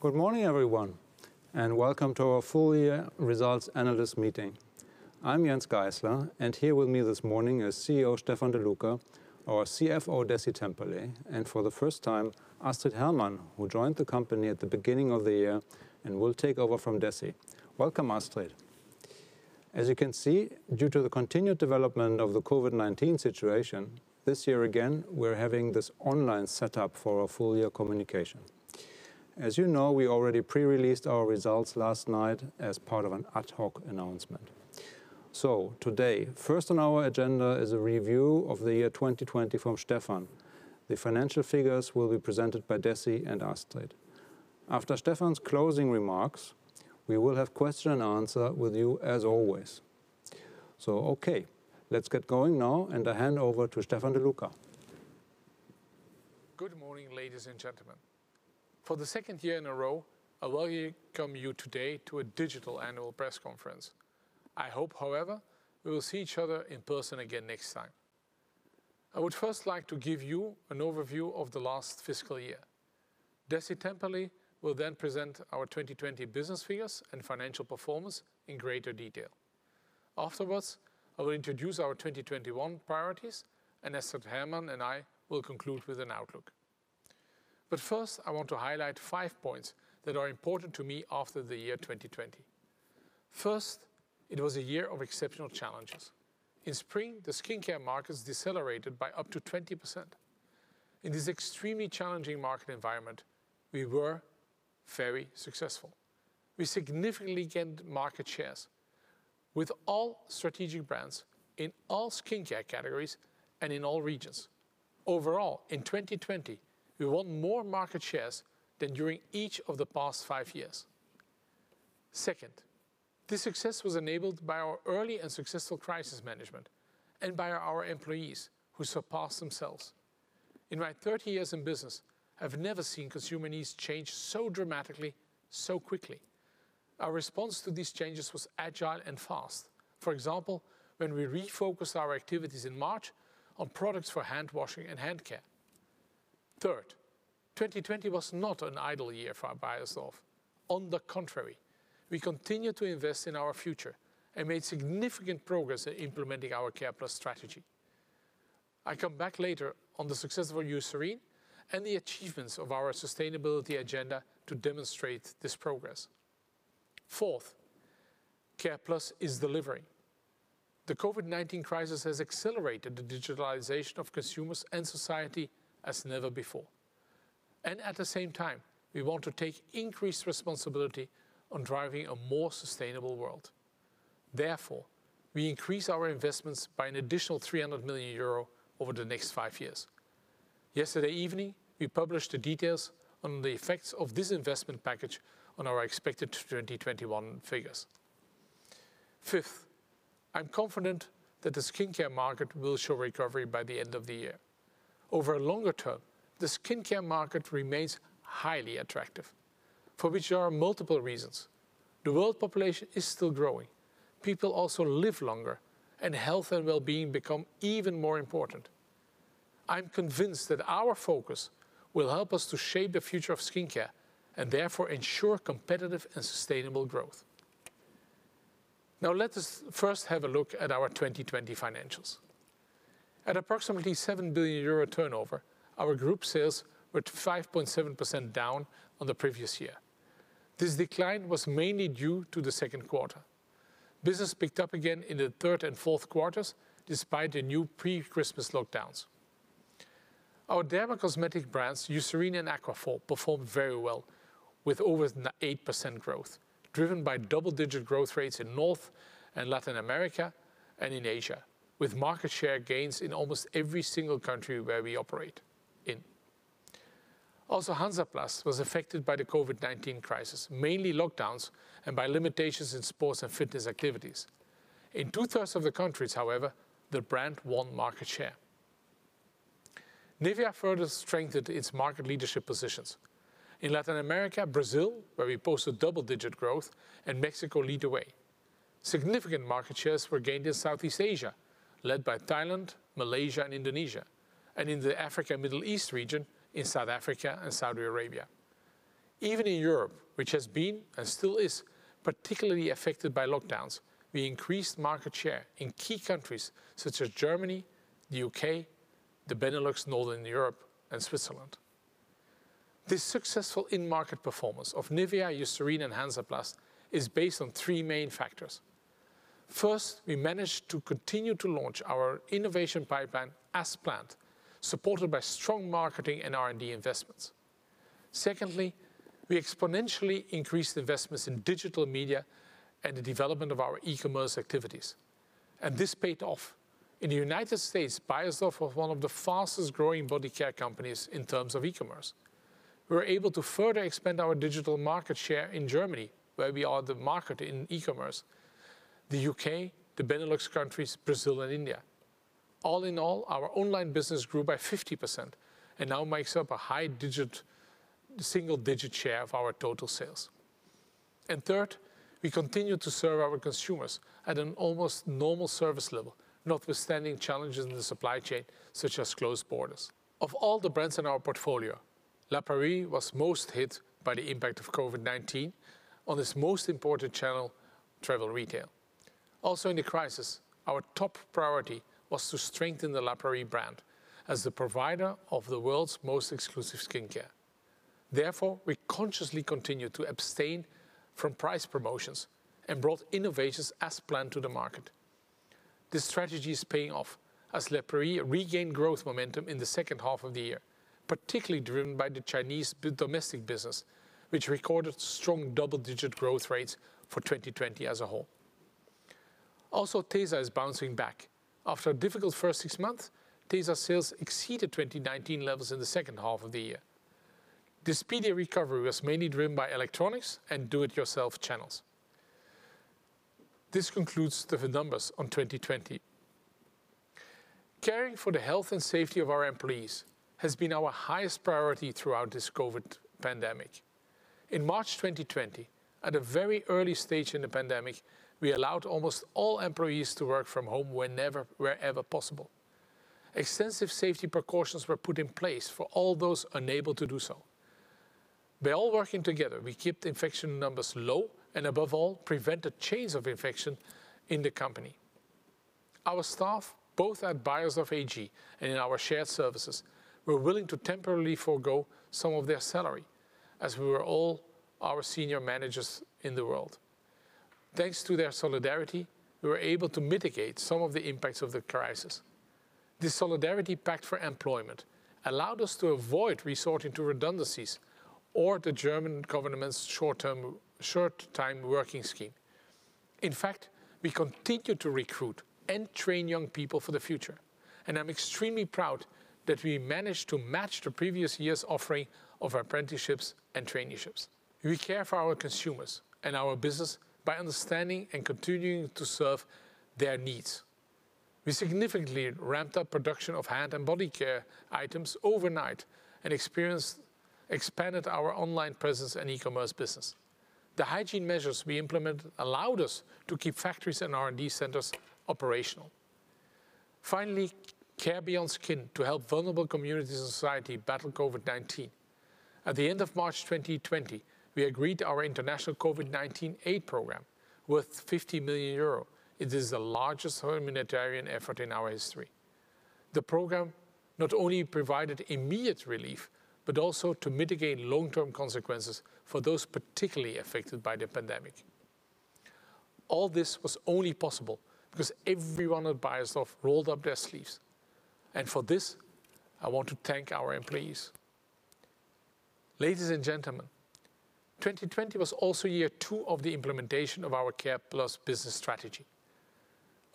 Good morning, everyone, and welcome to our full year results analyst meeting. I'm Jens Geissler, and here with me this morning is CEO Stefan De Loecker, our CFO Dessi Temperley, and for the first time, Astrid Hermann, who joined the company at the beginning of the year and will take over from Dessi. Welcome, Astrid. As you can see, due to the continued development of the COVID-19 situation, this year again, we're having this online setup for our full year communication. As you know, we already pre-released our results last night as part of an ad hoc announcement. Today, first on our agenda is a review of the year 2020 from Stefan. The financial figures will be presented by Dessi and Astrid. After Stefan's closing remarks, we will have question-and-answer with you as always. Okay, let's get going now, and I hand over to Stefan De Loecker. Good morning, ladies and gentlemen. For the second year in a row, I welcome you today to a digital annual press conference. I hope, however, we will see each other in person again next time. I would first like to give you an overview of the last fiscal year. Dessi Temperley will then present our 2020 business figures and financial performance in greater detail. Afterwards, I will introduce our 2021 priorities, and Astrid Hermann and I will conclude with an outlook. First, I want to highlight five points that are important to me after the year 2020. First, it was a year of exceptional challenges. In spring, the skincare markets decelerated by up to 20%. In this extremely challenging market environment, we were very successful. We significantly gained market shares with all strategic brands in all skincare categories and in all regions. Overall, in 2020, we won more market shares than during each of the past five years. Second, this success was enabled by our early and successful crisis management and by our employees who surpassed themselves. In my 30 years in business, I've never seen consumer needs change so dramatically, so quickly. Our response to these changes was agile and fast. For example, when we refocused our activities in March on products for hand washing and hand care. Third, 2020 was not an idle year for Beiersdorf. On the contrary, we continued to invest in our future and made significant progress in implementing our C.A.R.E.+ strategy. I come back later on the success of Eucerin and the achievements of our sustainability agenda to demonstrate this progress. Fourth, C.A.R.E.+ is delivering. The COVID-19 crisis has accelerated the digitalization of consumers and society as never before. At the same time, we want to take increased responsibility on driving a more sustainable world. Therefore, we increase our investments by an additional 300 million euro over the next five years. Yesterday evening, we published the details on the effects of this investment package on our expected 2021 figures. Fifth, I'm confident that the skincare market will show recovery by the end of the year. Over a longer term, the skincare market remains highly attractive. For which there are multiple reasons. The world population is still growing. People also live longer, and health and wellbeing become even more important. I'm convinced that our focus will help us to shape the future of skincare and therefore ensure competitive and sustainable growth. Let us first have a look at our 2020 financials. At approximately 7 billion euro turnover, our group sales were 5.7% down on the previous year. This decline was mainly due to the second quarter. Business picked up again in the third and fourth quarters, despite the new pre-Christmas lockdowns. Our dermo-cosmetic brands, Eucerin and Aquaphor, performed very well with over 8% growth, driven by double-digit growth rates in North and Latin America and in Asia, with market share gains in almost every single country where we operate in. Hansaplast was affected by the COVID-19 crisis, mainly lockdowns and by limitations in sports and fitness activities. In 2/3 of the countries, however, the brand won market share. NIVEA further strengthened its market leadership positions. In Latin America, Brazil, where we posted double-digit growth, and Mexico lead the way. Significant market shares were gained in Southeast Asia, led by Thailand, Malaysia, and Indonesia. In the Africa and Middle East region, in South Africa and Saudi Arabia. Even in Europe, which has been and still is particularly affected by lockdowns, we increased market share in key countries such as Germany, the U.K., the Benelux, Northern Europe, and Switzerland. This successful in-market performance of NIVEA, Eucerin, and Hansaplast is based on three main factors. First, we managed to continue to launch our innovation pipeline as planned, supported by strong marketing and R&D investments. Secondly, we exponentially increased investments in digital media and the development of our e-commerce activities. This paid off. In the United States, Beiersdorf was one of the fastest-growing body care companies in terms of e-commerce. We were able to further expand our digital market share in Germany, where we are the market in e-commerce, the U.K., the Benelux countries, Brazil, and India. All in all, our online business grew by 50% and now makes up a high single-digit share of our total sales. Third, we continued to serve our consumers at an almost normal service level, notwithstanding challenges in the supply chain, such as closed borders. Of all the brands in our portfolio, La Prairie was most hit by the impact of COVID-19 on its most important channel, travel retail. Also in the crisis, our top priority was to strengthen the La Prairie brand as the provider of the world's most exclusive skincare. Therefore, we consciously continued to abstain from price promotions and brought innovations as planned to the market. This strategy is paying off as La Prairie regained growth momentum in the second half of the year, particularly driven by the Chinese domestic business, which recorded strong double-digit growth rates for 2020 as a whole. Also, tesa is bouncing back. After a difficult first six months, tesa sales exceeded 2019 levels in the second half of the year. This speedy recovery was mainly driven by electronics and DIY channels. This concludes the numbers on 2020. Caring for the health and safety of our employees has been our highest priority throughout this COVID-19 pandemic. In March 2020, at a very early stage in the pandemic, we allowed almost all employees to work from home wherever possible. Extensive safety precautions were put in place for all those unable to do so. By all working together, we kept infection numbers low, and above all, prevented chains of infection in the company. Our staff, both at Beiersdorf AG and in our shared services, were willing to temporarily forego some of their salary, as were all our senior managers in the world. Thanks to their solidarity, we were able to mitigate some of the impacts of the crisis. This solidarity pact for employment allowed us to avoid resorting to redundancies or the German government's short-time working scheme. In fact, we continued to recruit and train young people for the future, and I'm extremely proud that we managed to match the previous year's offering of apprenticeships and traineeships. We care for our consumers and our business by understanding and continuing to serve their needs. We significantly ramped up production of hand and body care items overnight and expanded our online presence and e-commerce business. The hygiene measures we implemented allowed us to keep factories and R&D centers operational. Finally, CARE BEYOND SKIN to help vulnerable communities and society battle COVID-19. At the end of March 2020, we agreed our international COVID-19 aid program worth 50 million euro. It is the largest humanitarian effort in our history. The program not only provided immediate relief, but also to mitigate long-term consequences for those particularly affected by the pandemic. All this was only possible because everyone at Beiersdorf rolled up their sleeves, and for this, I want to thank our employees. Ladies and gentlemen, 2020 was also year two of the implementation of our C.A.R.E.+ business strategy.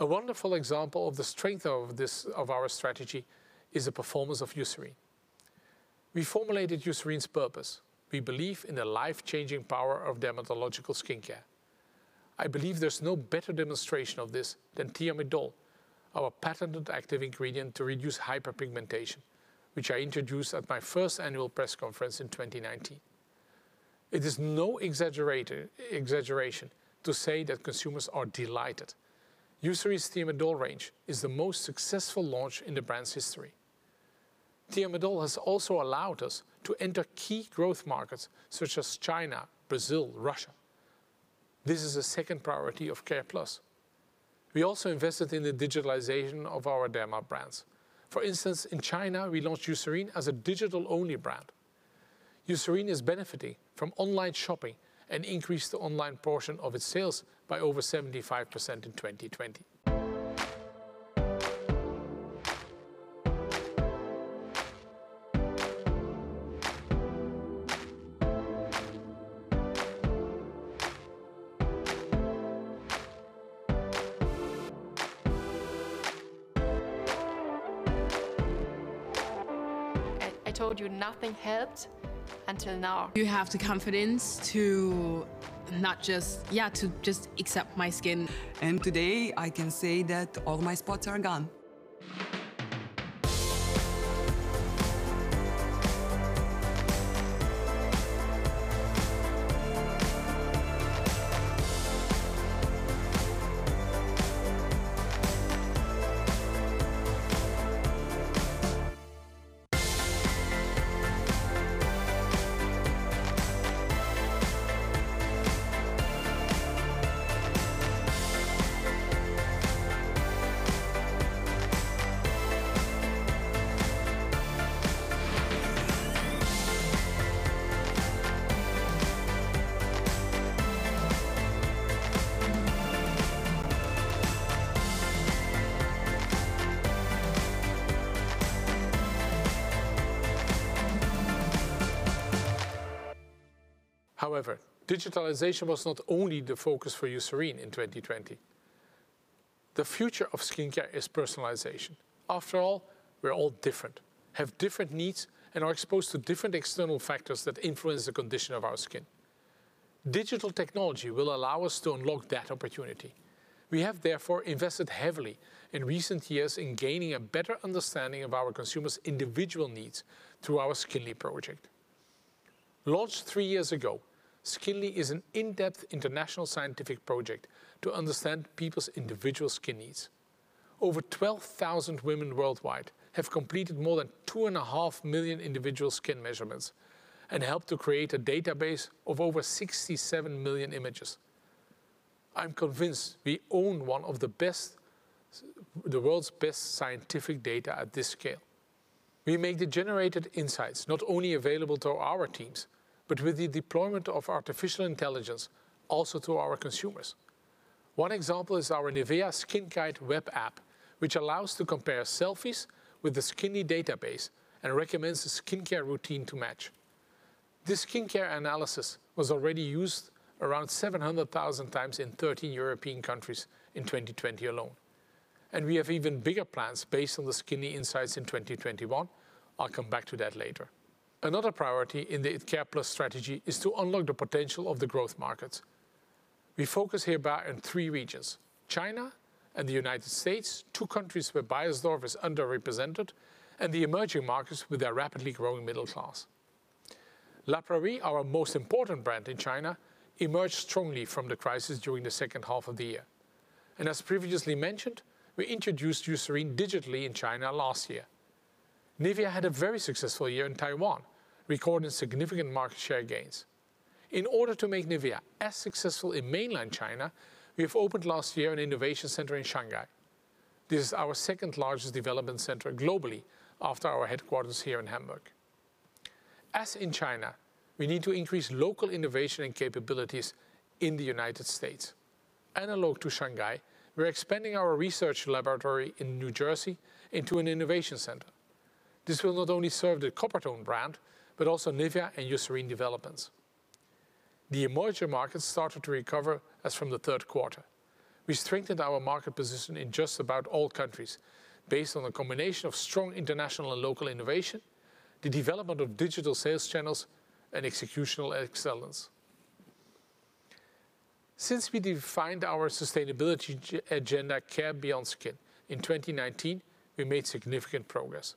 A wonderful example of the strength of our strategy is the performance of Eucerin. We formulated Eucerin's purpose. We believe in the life-changing power of dermatological skincare. I believe there's no better demonstration of this than Thiamidol, our patented active ingredient to reduce hyperpigmentation, which I introduced at my first annual press conference in 2019. It is no exaggeration to say that consumers are delighted. Eucerin's Thiamidol range is the most successful launch in the brand's history. Thiamidol has also allowed us to enter key growth markets such as China, Brazil, Russia. This is the second priority of C.A.R.E.+. We also invested in the digitalization of our derma brands. For instance, in China, we launched Eucerin as a digital-only brand. Eucerin is benefiting from online shopping and increased the online portion of its sales by over 75% in 2020. I told you nothing helped until now. You have the confidence to just accept my skin. Today I can say that all my spots are gone. However, digitalization was not only the focus for Eucerin in 2020. The future of skincare is personalization. After all, we're all different, have different needs, and are exposed to different external factors that influence the condition of our skin. Digital technology will allow us to unlock that opportunity. We have, therefore, invested heavily in recent years in gaining a better understanding of our consumers' individual needs through our SKINLY project. Launched three years ago, SKINLY is an in-depth international scientific project to understand people's individual skin needs. Over 12,000 women worldwide have completed more than two and a half million individual skin measurements and helped to create a database of over 67 million images. I'm convinced we own one of the world's best scientific data at this scale. We make the generated insights not only available to our teams, but with the deployment of artificial intelligence, also to our consumers. One example is our NIVEA SKiN GUiDE web app, which allows to compare selfies with the SKINLY database and recommends a skincare routine to match. This skincare analysis was already used around 700,000 times in 13 European countries in 2020 alone. We have even bigger plans based on the SKINLY insights in 2021. I'll come back to that later. Another priority in the C.A.R.E.+ strategy is to unlock the potential of the growth markets. We focus hereby in three regions, China and the United States, two countries where Beiersdorf is underrepresented, and the emerging markets with their rapidly growing middle class. La Prairie, our most important brand in China, emerged strongly from the crisis during the second half of the year. As previously mentioned, we introduced Eucerin digitally in China last year. NIVEA had a very successful year in Taiwan, recording significant market share gains. In order to make NIVEA as successful in mainland China, we have opened last year an innovation center in Shanghai. This is our second-largest development center globally after our headquarters here in Hamburg. As in China, we need to increase local innovation and capabilities in the United States. Analog to Shanghai, we're expanding our research laboratory in New Jersey into an innovation center. This will not only serve the Coppertone brand, but also NIVEA and Eucerin developments. The emerging markets started to recover as from the third quarter. We strengthened our market position in just about all countries based on a combination of strong international and local innovation, the development of digital sales channels, and executional excellence. Since we defined our sustainability agenda, CARE BEYOND SKIN, in 2019, we made significant progress.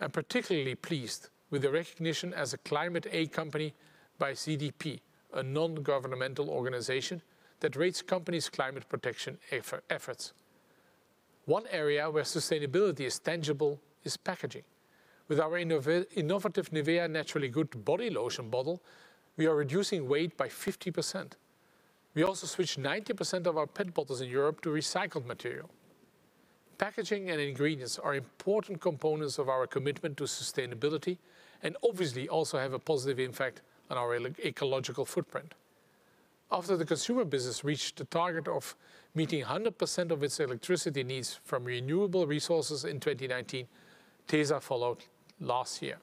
I'm particularly pleased with the recognition as a Climate A company by CDP, a non-governmental organization that rates companies' climate protection efforts. One area where sustainability is tangible is packaging. With our innovative NIVEA Naturally Good body lotion bottle, we are reducing weight by 50%. We also switched 90% of our PET bottles in Europe to recycled material. Packaging and ingredients are important components of our commitment to sustainability and obviously also have a positive impact on our ecological footprint. After the consumer business reached the target of meeting 100% of its electricity needs from renewable resources in 2019, tesa followed last year.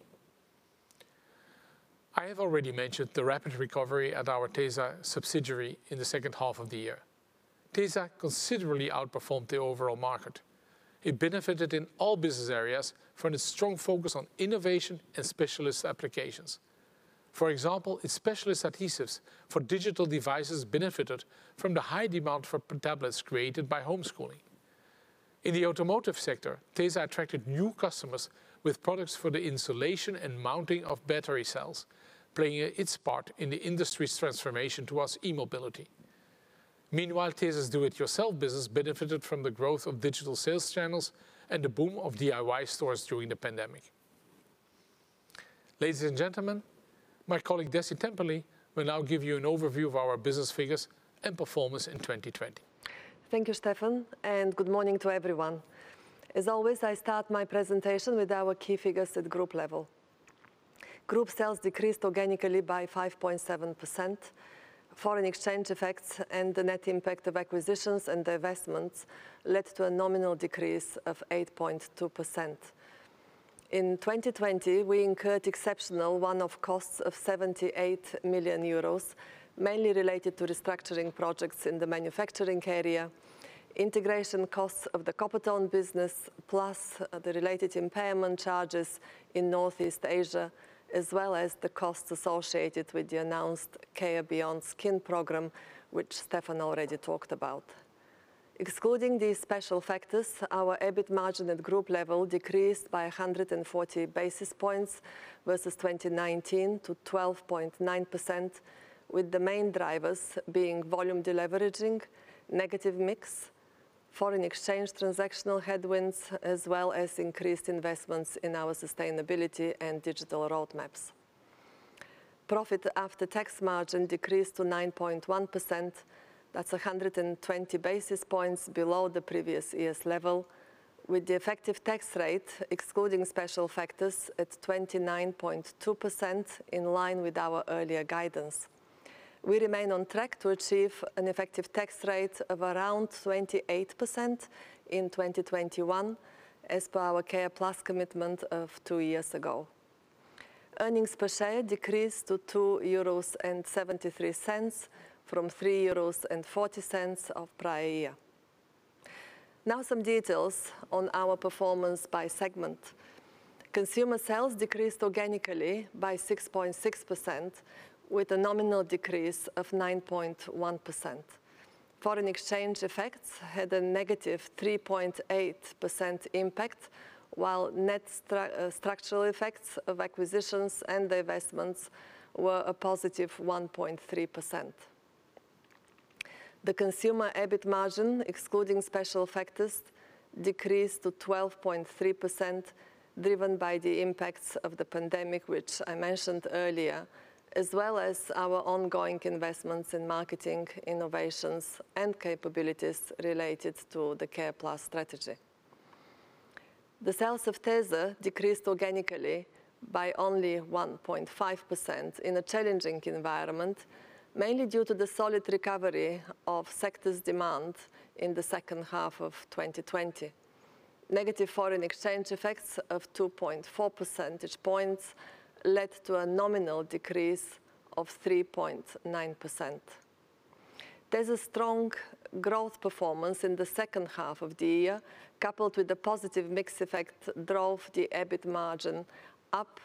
I have already mentioned the rapid recovery at our tesa subsidiary in the second half of the year. tesa considerably outperformed the overall market. It benefited in all business areas from its strong focus on innovation and specialist applications. For example, its specialist adhesives for digital devices benefited from the high demand for tablets created by homeschooling. In the automotive sector, tesa attracted new customers with products for the insulation and mounting of battery cells, playing its part in the industry's transformation towards e-mobility. Meanwhile, tesa's do it yourself business benefited from the growth of digital sales channels and the boom of DIY stores during the pandemic. Ladies and gentlemen, my colleague, Dessi Temperley, will now give you an overview of our business figures and performance in 2020. Thank you, Stefan. Good morning to everyone. As always, I start my presentation with our key figures at group level. Group sales decreased organically by 5.7%. Foreign exchange effects and the net impact of acquisitions and divestments led to a nominal decrease of 8.2%. In 2020, we incurred exceptional one-off costs of 78 million euros, mainly related to restructuring projects in the manufacturing area, integration costs of the Coppertone business, plus the related impairment charges in Northeast Asia, as well as the costs associated with the announced CARE BEYOND SKIN program, which Stefan already talked about. Excluding these special factors, our EBIT margin at group level decreased by 140 basis points versus 2019 to 12.9%, with the main drivers being volume deleveraging, negative mix, foreign exchange transactional headwinds, as well as increased investments in our sustainability and digital roadmaps. Profit after tax margin decreased to 9.1%. That's 120 basis points below the previous year's level, with the effective tax rate, excluding special factors, at 29.2%, in line with our earlier guidance. We remain on track to achieve an effective tax rate of around 28% in 2021, as per our C.A.R.E.+ commitment of two years ago. Earnings per share decreased to 2.73 euros from 3.40 euros of prior year. Now some details on our performance by segment. Consumer sales decreased organically by 6.6%, with a nominal decrease of 9.1%. Foreign exchange effects had a negative 3.8% impact, while net structural effects of acquisitions and divestments were a +1.3%. The consumer EBIT margin, excluding special factors, decreased to 12.3%, driven by the impacts of the pandemic, which I mentioned earlier, as well as our ongoing investments in marketing, innovations, and capabilities related to the C.A.R.E.+ strategy. The sales of tesa decreased organically by only 1.5% in a challenging environment, mainly due to the solid recovery of sectors' demand in the second half of 2020. Negative foreign exchange effects of 2.4 percentage points led to a nominal decrease of 3.9%. tesa's strong growth performance in the second half of the year, coupled with the positive mix effect, drove the EBIT margin up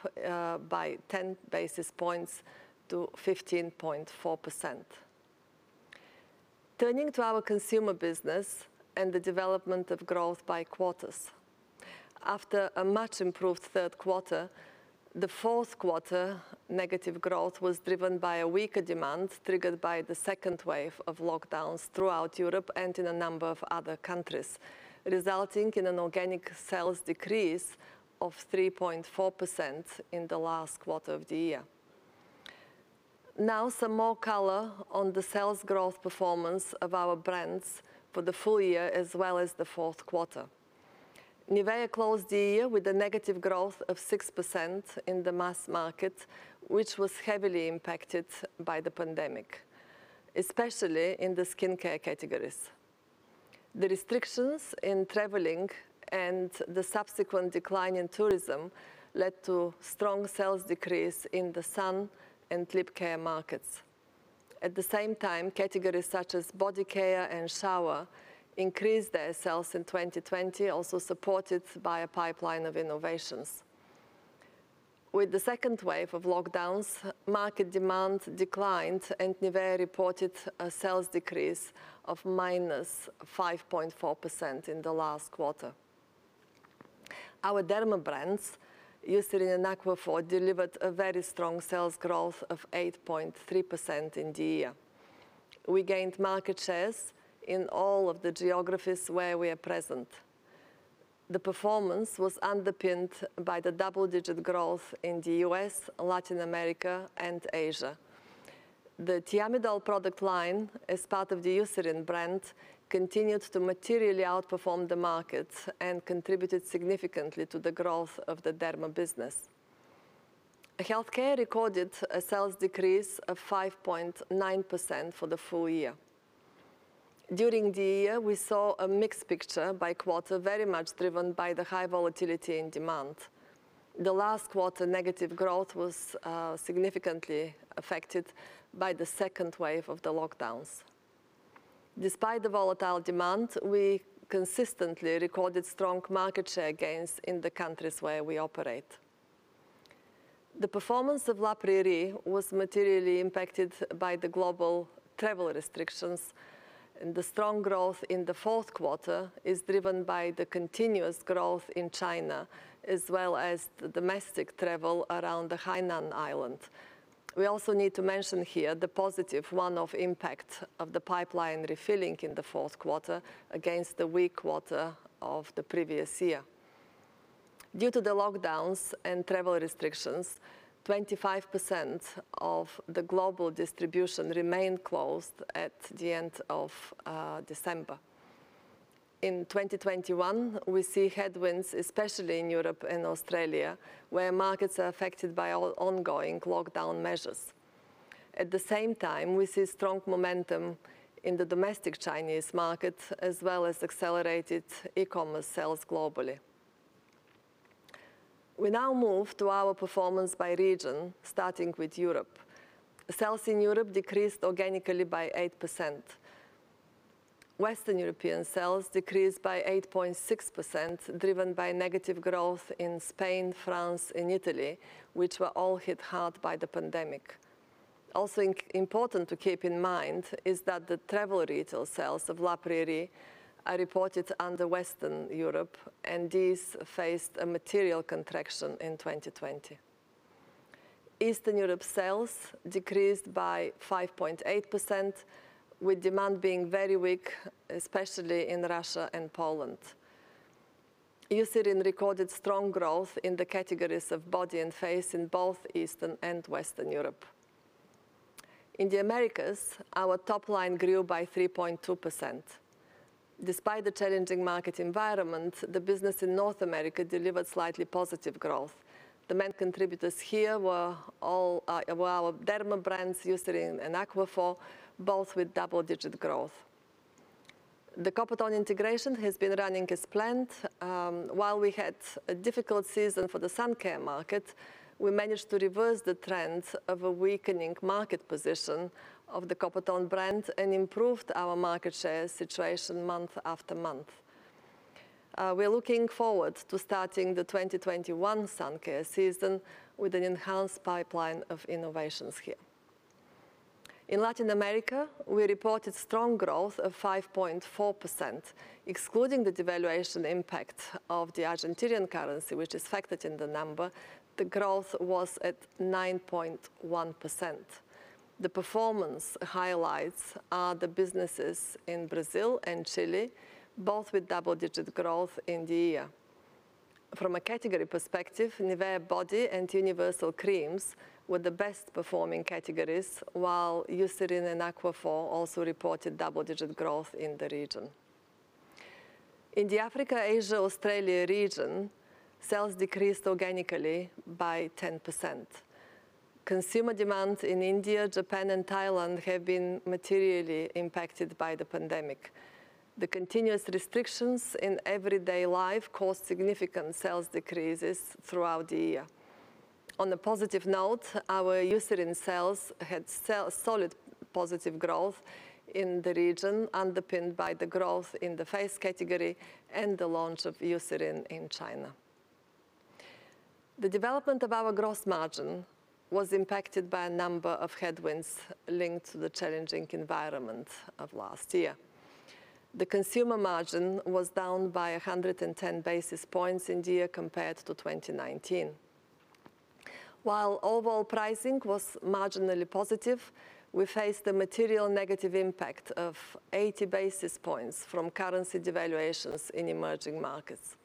by 10 basis points to 15.4%. Turning to our consumer business and the development of growth by quarters. After a much-improved third quarter, the fourth quarter negative growth was driven by a weaker demand triggered by the second wave of lockdowns throughout Europe and in a number of other countries, resulting in an organic sales decrease of 3.4% in the last quarter of the year. Now some more color on the sales growth performance of our brands for the full year, as well as the fourth quarter. NIVEA closed the year with a negative growth of 6% in the mass market, which was heavily impacted by the pandemic, especially in the skincare categories. The restrictions in traveling and the subsequent decline in tourism led to strong sales decrease in the sun and lip care markets. At the same time, categories such as body care and shower increased their sales in 2020, also supported by a pipeline of innovations. With the second wave of lockdowns, market demand declined, and NIVEA reported a sales decrease of -5.4% in the last quarter. Our derma brands, Eucerin and Aquaphor, delivered a very strong sales growth of 8.3% in the year. We gained market shares in all of the geographies where we are present. The performance was underpinned by the double-digit growth in the U.S., Latin America, and Asia. The Thiamidol product line, as part of the Eucerin brand, continued to materially outperform the market and contributed significantly to the growth of the derma business. Healthcare recorded a sales decrease of 5.9% for the full year. During the year, we saw a mixed picture by quarter, very much driven by the high volatility in demand. The last quarter negative growth was significantly affected by the second wave of the lockdowns. Despite the volatile demand, we consistently recorded strong market share gains in the countries where we operate. The performance of La Prairie was materially impacted by the global travel restrictions, and the strong growth in the fourth quarter is driven by the continuous growth in China, as well as the domestic travel around the Hainan island. We also need to mention here the positive one-off impact of the pipeline refilling in the fourth quarter against the weak quarter of the previous year. Due to the lockdowns and travel restrictions, 25% of the global distribution remained closed at the end of December. In 2021, we see headwinds, especially in Europe and Australia, where markets are affected by ongoing lockdown measures. At the same time, we see strong momentum in the domestic Chinese market, as well as accelerated e-commerce sales globally. We now move to our performance by region, starting with Europe. Sales in Europe decreased organically by 8%. Western European sales decreased by 8.6%, driven by negative growth in Spain, France, and Italy, which were all hit hard by the pandemic. Also important to keep in mind is that the travel retail sales of La Prairie are reported under Western Europe, and these faced a material contraction in 2020. Eastern Europe sales decreased by 5.8%, with demand being very weak, especially in Russia and Poland. Eucerin recorded strong growth in the categories of body and face in both Eastern and Western Europe. In the Americas, our top line grew by 3.2%. Despite the challenging market environment, the business in North America delivered slightly positive growth. The main contributors here were our derma brands, Eucerin and Aquaphor, both with double-digit growth. The Coppertone integration has been running as planned. While we had a difficult season for the sun care market, we managed to reverse the trend of a weakening market position of the Coppertone brand and improved our market share situation month after month. We're looking forward to starting the 2021 sun care season with an enhanced pipeline of innovations here. In Latin America, we reported strong growth of 5.4%, excluding the devaluation impact of the Argentinian currency, which is factored in the number. The growth was at 9.1%. The performance highlights are the businesses in Brazil and Chile, both with double-digit growth in the year. From a category perspective, NIVEA Body and Universal Creams were the best performing categories, while Eucerin and Aquaphor also reported double-digit growth in the region. In the Africa, Asia, Australia region, sales decreased organically by 10%. Consumer demand in India, Japan, and Thailand have been materially impacted by the pandemic. The continuous restrictions in everyday life caused significant sales decreases throughout the year. On a positive note, our Eucerin sales had solid positive growth in the region, underpinned by the growth in the face category and the launch of Eucerin in China. The development of our gross margin was impacted by a number of headwinds linked to the challenging environment of last year. The consumer margin was down by 110 basis points in the year compared to 2019. While overall pricing was marginally positive, we faced a material negative impact of 80 basis points from currency devaluations in emerging markets.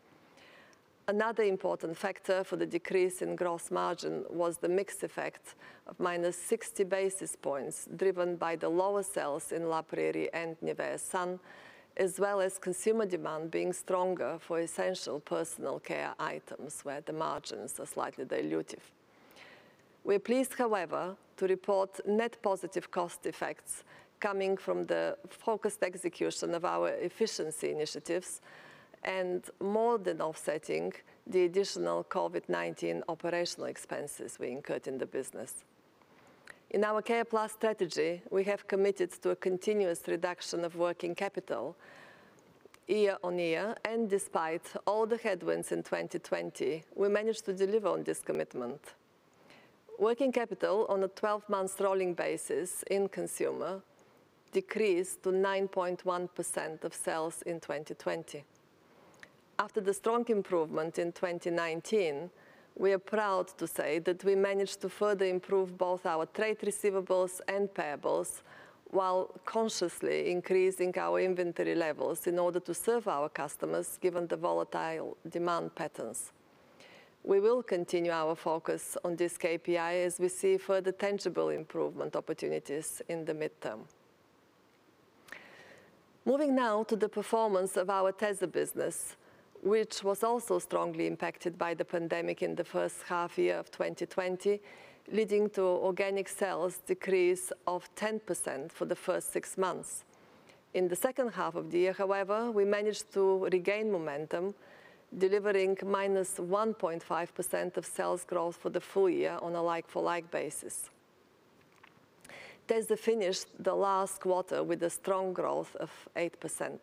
Another important factor for the decrease in gross margin was the mix effect of minus 60 basis points, driven by the lower sales in La Prairie and NIVEA Sun, as well as consumer demand being stronger for essential personal care items where the margins are slightly dilutive. We're pleased, however, to report net positive cost effects coming from the focused execution of our efficiency initiatives and more than offsetting the additional COVID-19 operational expenses we incurred in the business. In our C.A.R.E.+ strategy, we have committed to a continuous reduction of working capital year on year, and despite all the headwinds in 2020, we managed to deliver on this commitment. Working capital on a 12 months rolling basis in consumer decreased to 9.1% of sales in 2020. After the strong improvement in 2019, we are proud to say that we managed to further improve both our trade receivables and payables while consciously increasing our inventory levels in order to serve our customers, given the volatile demand patterns. We will continue our focus on this KPI as we see further tangible improvement opportunities in the midterm. Moving now to the performance of our tesa business, which was also strongly impacted by the pandemic in the first half year of 2020, leading to organic sales decrease of 10% for the first six months. In the second half of the year, however, we managed to regain momentum, delivering -1.5% of sales growth for the full year on a like-for-like basis. tesa finished the last quarter with a strong growth of 8%.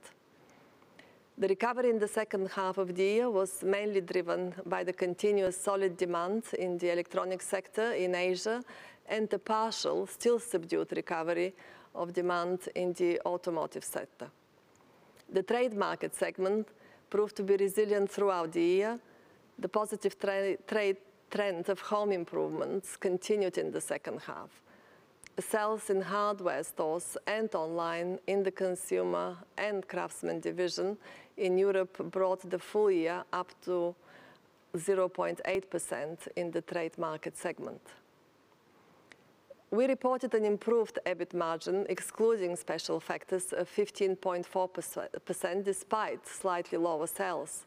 The recovery in the second half of the year was mainly driven by the continuous solid demand in the electronic sector in Asia and the partial, still subdued recovery of demand in the automotive sector. The trade market segment proved to be resilient throughout the year. The positive trade trend of home improvements continued in the second half. Sales in hardware stores and online in the consumer and craftsman division in Europe brought the full year up to 0.8% in the trade market segment. We reported an improved EBIT margin, excluding special factors, of 15.4% despite slightly lower sales.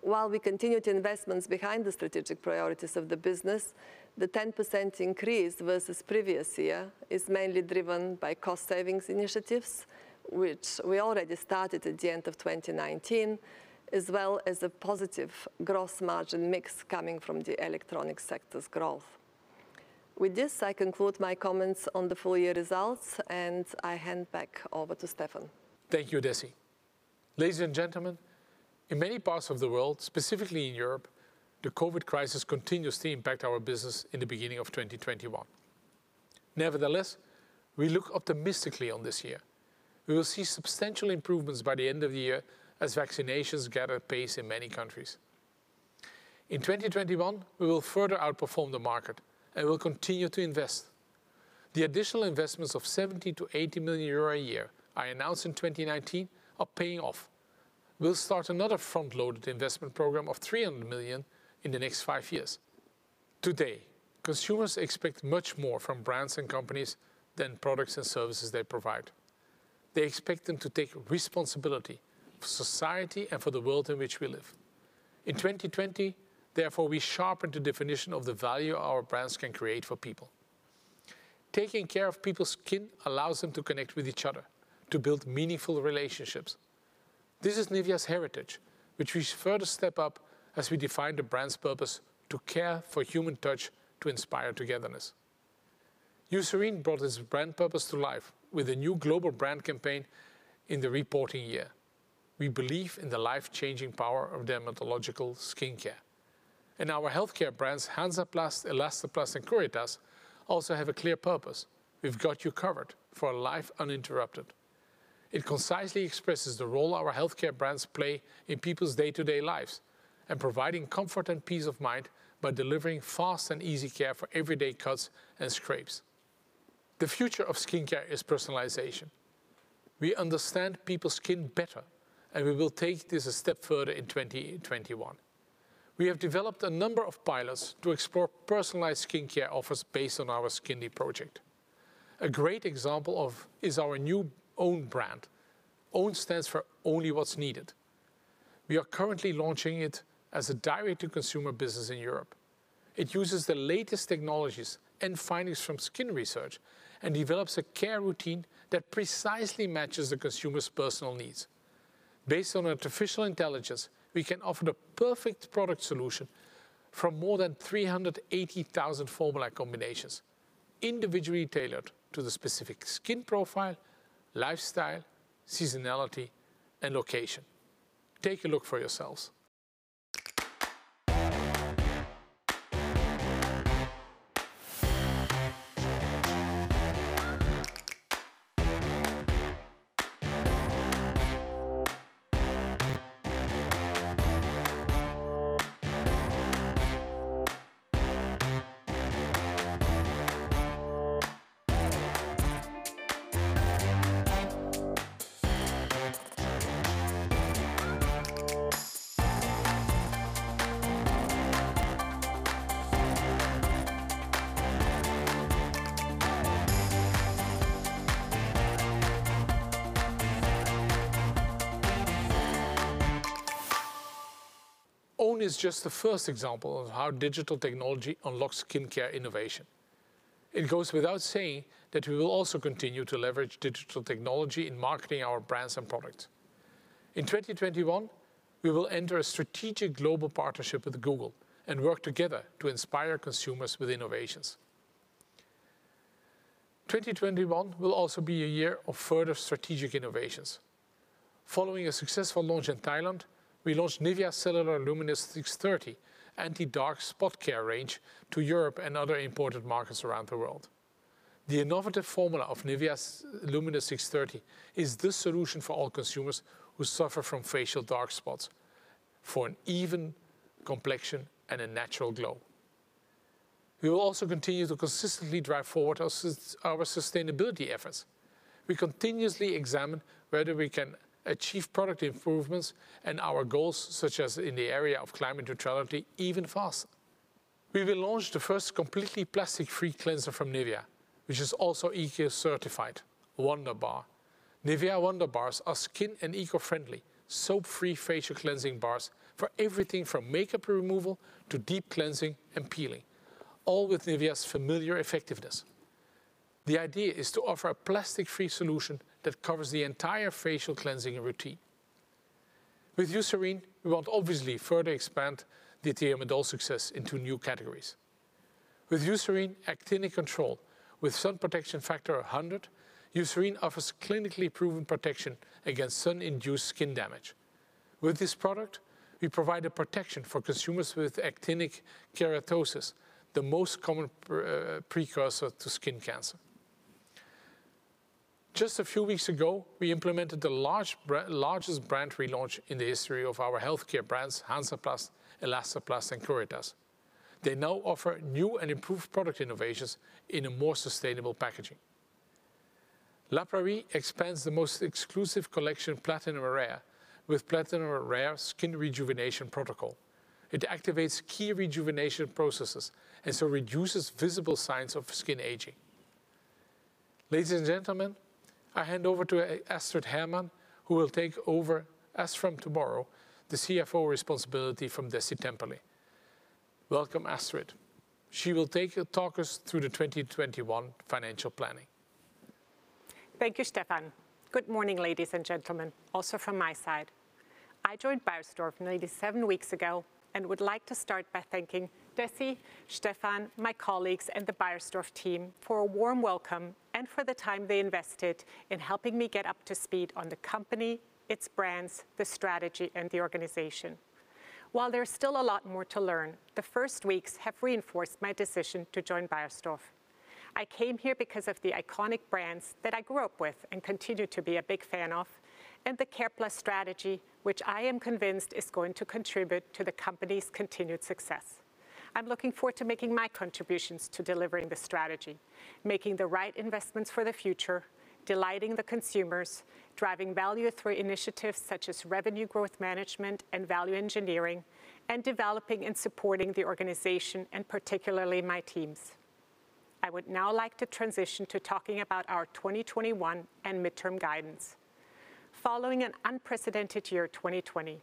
While we continued investments behind the strategic priorities of the business, the 10% increase versus the previous year is mainly driven by cost savings initiatives, which we already started at the end of 2019, as well as a positive gross margin mix coming from the electronic sector's growth. With this, I conclude my comments on the full-year results, and I hand back over to Stefan. Thank you, Dessi. Ladies and gentlemen, in many parts of the world, specifically in Europe, the COVID-19 continues to impact our business in the beginning of 2021. Nevertheless, we look optimistically on this year. We will see substantial improvements by the end of the year as vaccinations gather pace in many countries. In 2021, we will further outperform the market and will continue to invest. The additional investments of 70 million-80 million euro a year I announced in 2019 are paying off. We'll start another front-loaded investment program of 300 million in the next five years. Today, consumers expect much more from brands and companies than products and services they provide. They expect them to take responsibility for society and for the world in which we live. In 2020, therefore, we sharpened the definition of the value our brands can create for people. Taking care of people's skin allows them to connect with each other, to build meaningful relationships. This is NIVEA's heritage, which we further step up as we define the brand's purpose to care for human touch to inspire togetherness. Eucerin brought its brand purpose to life with a new global brand campaign in the reporting year. We believe in the life-changing power of dermatological skincare. Our healthcare brands, Hansaplast, Elastoplast, and CURITAS also have a clear purpose. We've got you covered for a life uninterrupted. It concisely expresses the role our healthcare brands play in people's day-to-day lives in providing comfort and peace of mind by delivering fast and easy care for everyday cuts and scrapes. The future of skincare is personalization. We understand people's skin better, and we will take this a step further in 2021. We have developed a number of pilots to explore personalized skincare offers based on our SKINLY project. A great example is our new O.W.N. brand. O.W.N. stands for Only What's Needed. We are currently launching it as a direct-to-consumer business in Europe. It uses the latest technologies and findings from skin research and develops a care routine that precisely matches the consumer's personal needs. Based on artificial intelligence, we can offer the perfect product solution from more than 380,000 formula combinations, individually tailored to the specific skin profile, lifestyle, seasonality, and location. Take a look for yourselves. O.W.N. is just the first example of how digital technology unlocks skincare innovation. It goes without saying that we will also continue to leverage digital technology in marketing our brands and products. In 2021, we will enter a strategic global partnership with Google and work together to inspire consumers with innovations. 2021 will also be a year of further strategic innovations. Following a successful launch in Thailand, we launched NIVEA Cellular Luminous630 anti dark spot care range to Europe and other important markets around the world. The innovative formula of NIVEA Luminous630 is the solution for all consumers who suffer from facial dark spots, for an even complexion and a natural glow. We will also continue to consistently drive forward our sustainability efforts. We continuously examine whether we can achieve product improvements and our goals, such as in the area of climate neutrality, even faster. We will launch the first completely plastic-free cleanser from NIVEA, which is also eco-certified, WonderBAR. NIVEA WonderBARS are skin and eco-friendly, soap-free facial cleansing bars for everything from makeup removal to deep cleansing and peeling, all with NIVEA's familiar effectiveness. The idea is to offer a plastic-free solution that covers the entire facial cleansing routine. With Eucerin, we want obviously further expand the Thiamidol success into new categories. With Eucerin Actinic Control, with sun protection factor 100, Eucerin offers clinically proven protection against sun-induced skin damage. With this product, we provide a protection for consumers with actinic keratosis, the most common precursor to skin cancer. Just a few weeks ago, we implemented the largest brand relaunch in the history of our healthcare brands, Hansaplast, Elastoplast, and CURITAS. They now offer new and improved product innovations in a more sustainable packaging. La Prairie expands the most exclusive collection, Platinum Rare, with Platinum Rare Haute-Rejuvenation Protocol. It activates key rejuvenation processes and so reduces visible signs of skin aging. Ladies and gentlemen, I hand over to Astrid Hermann, who will take over, as from tomorrow, the CFO responsibility from Dessi Temperley. Welcome, Astrid. She will talk us through the 2021 financial planning. Thank you, Stefan. Good morning, ladies and gentlemen, also from my side. I joined Beiersdorf nearly seven weeks ago and would like to start by thanking Dessi, Stefan, my colleagues, and the Beiersdorf team for a warm welcome and for the time they invested in helping me get up to speed on the company, its brands, the strategy, and the organization. While there's still a lot more to learn, the first weeks have reinforced my decision to join Beiersdorf. I came here because of the iconic brands that I grew up with and continue to be a big fan of, and the C.A.R.E.+ strategy, which I am convinced is going to contribute to the company's continued success. I'm looking forward to making my contributions to delivering the strategy, making the right investments for the future, delighting the consumers, driving value through initiatives such as revenue growth management and value engineering, and developing and supporting the organization, and particularly my teams. I would now like to transition to talking about our 2021 and midterm guidance. Following an unprecedented year 2020,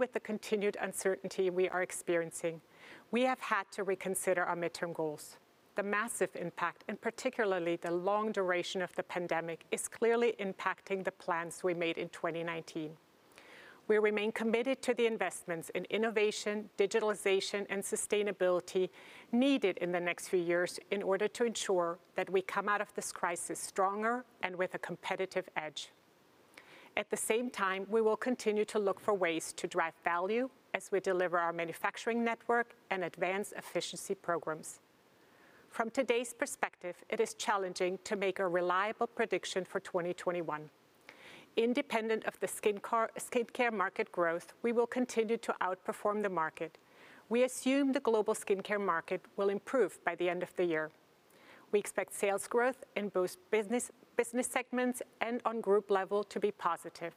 with the continued uncertainty we are experiencing, we have had to reconsider our midterm goals. The massive impact, and particularly the long duration of the pandemic, is clearly impacting the plans we made in 2019. We remain committed to the investments in innovation, digitalization, and sustainability needed in the next few years in order to ensure that we come out of this crisis stronger and with a competitive edge. At the same time, we will continue to look for ways to drive value as we deliver our manufacturing network and advance efficiency programs. From today's perspective, it is challenging to make a reliable prediction for 2021. Independent of the skincare market growth, we will continue to outperform the market. We assume the global skincare market will improve by the end of the year. We expect sales growth in both business segments and on group level to be positive.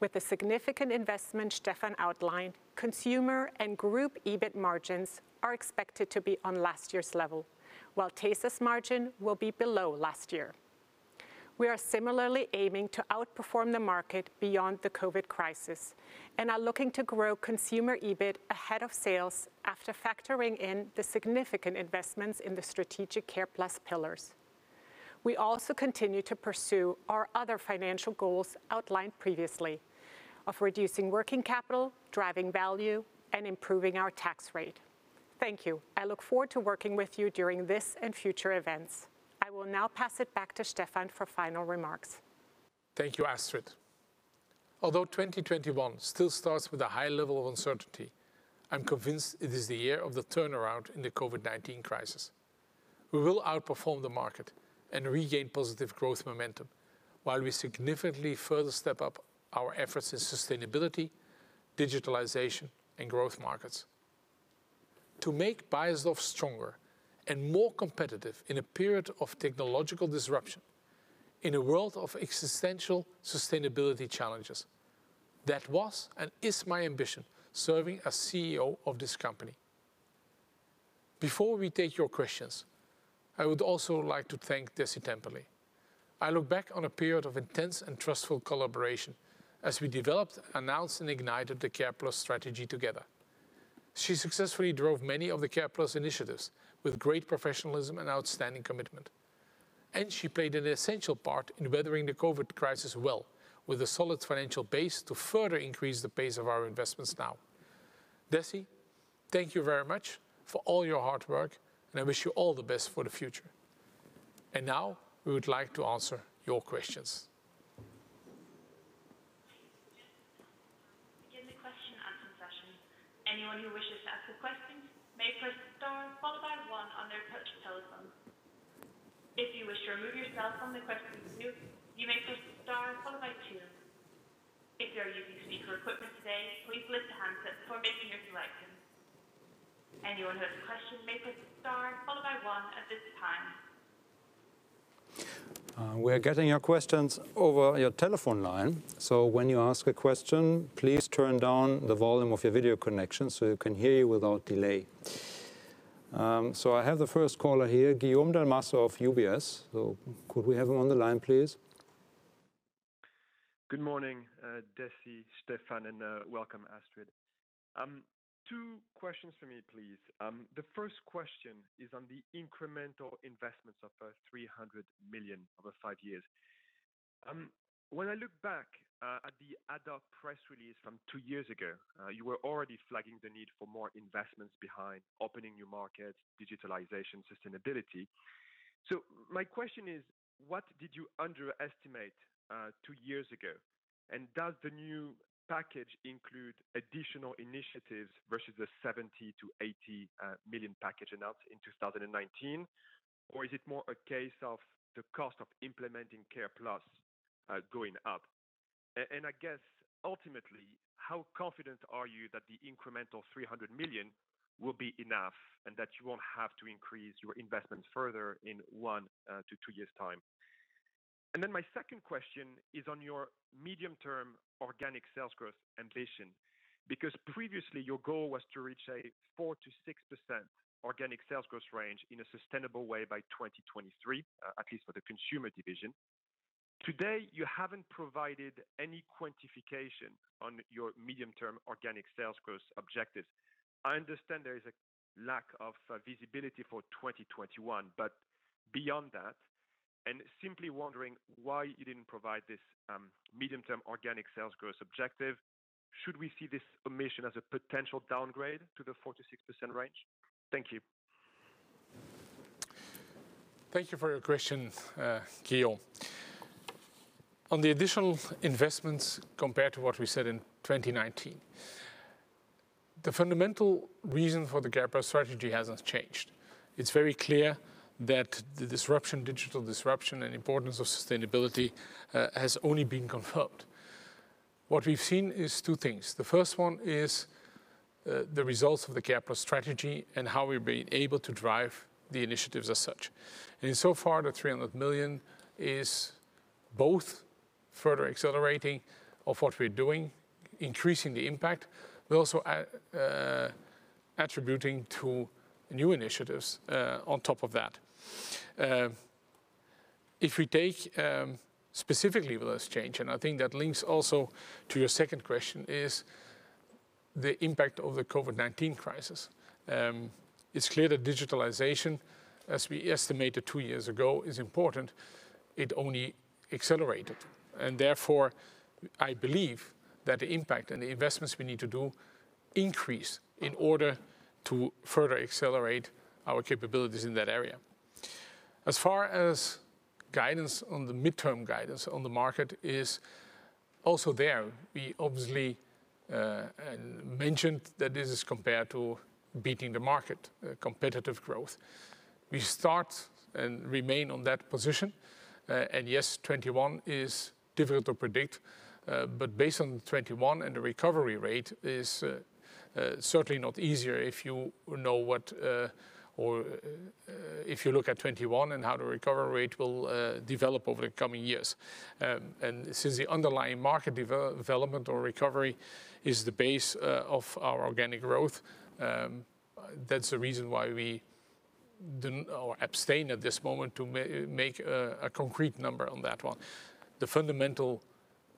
With the significant investment Stefan outlined, consumer and group EBIT margins are expected to be on last year's level, while tesa's margin will be below last year. We are similarly aiming to outperform the market beyond the COVID-19 crisis and are looking to grow consumer EBIT ahead of sales after factoring in the significant investments in the strategic C.A.R.E.+ pillars. We also continue to pursue our other financial goals outlined previously of reducing working capital, driving value, and improving our tax rate. Thank you. I look forward to working with you during this and future events. I will now pass it back to Stefan for final remarks. Thank you, Astrid. Although 2021 still starts with a high level of uncertainty, I'm convinced it is the year of the turnaround in the COVID-19 crisis. We will outperform the market and regain positive growth momentum while we significantly further step up our efforts in sustainability, digitalization, and growth markets. To make Beiersdorf stronger and more competitive in a period of technological disruption, in a world of existential sustainability challenges, that was and is my ambition serving as CEO of this company. Before we take your questions, I would also like to thank Dessi Temperley. I look back on a period of intense and trustful collaboration as we developed, announced, and ignited the C.A.R.E.+ strategy together. She successfully drove many of the C.A.R.E.+ initiatives with great professionalism and outstanding commitment. She played an essential part in weathering the COVID crisis well, with a solid financial base to further increase the pace of our investments now. Dessi, thank you very much for all your hard work, and I wish you all the best for the future. Now, we would like to answer your questions. Begin the question-and-answer session. Anyone who wishes to ask a question may press star followed by one on their touch telephone. If you wish to remove yourself from the question queue, you may press star followed by two. If you are using speaker equipment today, please lift the handset before making your selection. Anyone who has a question may press star followed by one at this time. We're getting your questions over your telephone line, so when you ask a question, please turn down the volume of your video connection so we can hear you without delay. I have the first caller here, Guillaume Delmas of UBS. Could we have him on the line, please? Good morning, Dessi, Stefan, and welcome, Astrid. Two questions from me, please. The first question is on the incremental investments of 300 million over five years. When I look back at the ad hoc press release from two years ago, you were already flagging the need for more investments behind opening new markets, digitalization, sustainability. My question is, what did you underestimate two years ago? Does the new package include additional initiatives versus the 70 million-80 million package announced in 2019? Is it more a case of the cost of implementing C.A.R.E.+ going up? I guess ultimately, how confident are you that the incremental 300 million will be enough and that you won't have to increase your investments further in one to two years' time? My second question is on your medium-term organic sales growth ambition. Previously, your goal was to reach a 4%-6% organic sales growth range in a sustainable way by 2023, at least for the consumer division. Today, you haven't provided any quantification on your medium-term organic sales growth objectives. I understand there is a lack of visibility for 2021, but beyond that, and simply wondering why you didn't provide this medium-term organic sales growth objective. Should we see this omission as a potential downgrade to the 4%-6% range? Thank you. Thank you for your questions, Guillaume. On the additional investments compared to what we said in 2019, the fundamental reason for the C.A.R.E.+ strategy hasn't changed. It's very clear that the disruption, digital disruption, and importance of sustainability has only been confirmed. What we've seen is two things. The first one is the results of the C.A.R.E.+ strategy and how we've been able to drive the initiatives as such. In so far, the 300 million is both further accelerating of what we're doing, increasing the impact, but also attributing to new initiatives on top of that. If we take specifically with this change, and I think that links also to your second question is the impact of the COVID-19 crisis. It's clear that digitalization, as we estimated two years ago, is important. It only accelerated and therefore I believe that the impact and the investments we need to do increase in order to further accelerate our capabilities in that area. As far as guidance on the midterm guidance on the market is also there. We obviously mentioned that this is compared to beating the market, competitive growth. We start and remain on that position. Yes, 2021 is difficult to predict. Based on 2021 and the recovery rate is certainly not easier if you know what or if you look at 2021 and how the recovery rate will develop over the coming years. Since the underlying market development or recovery is the base of our organic growth, that's the reason why we abstain at this moment to make a concrete number on that one. The fundamental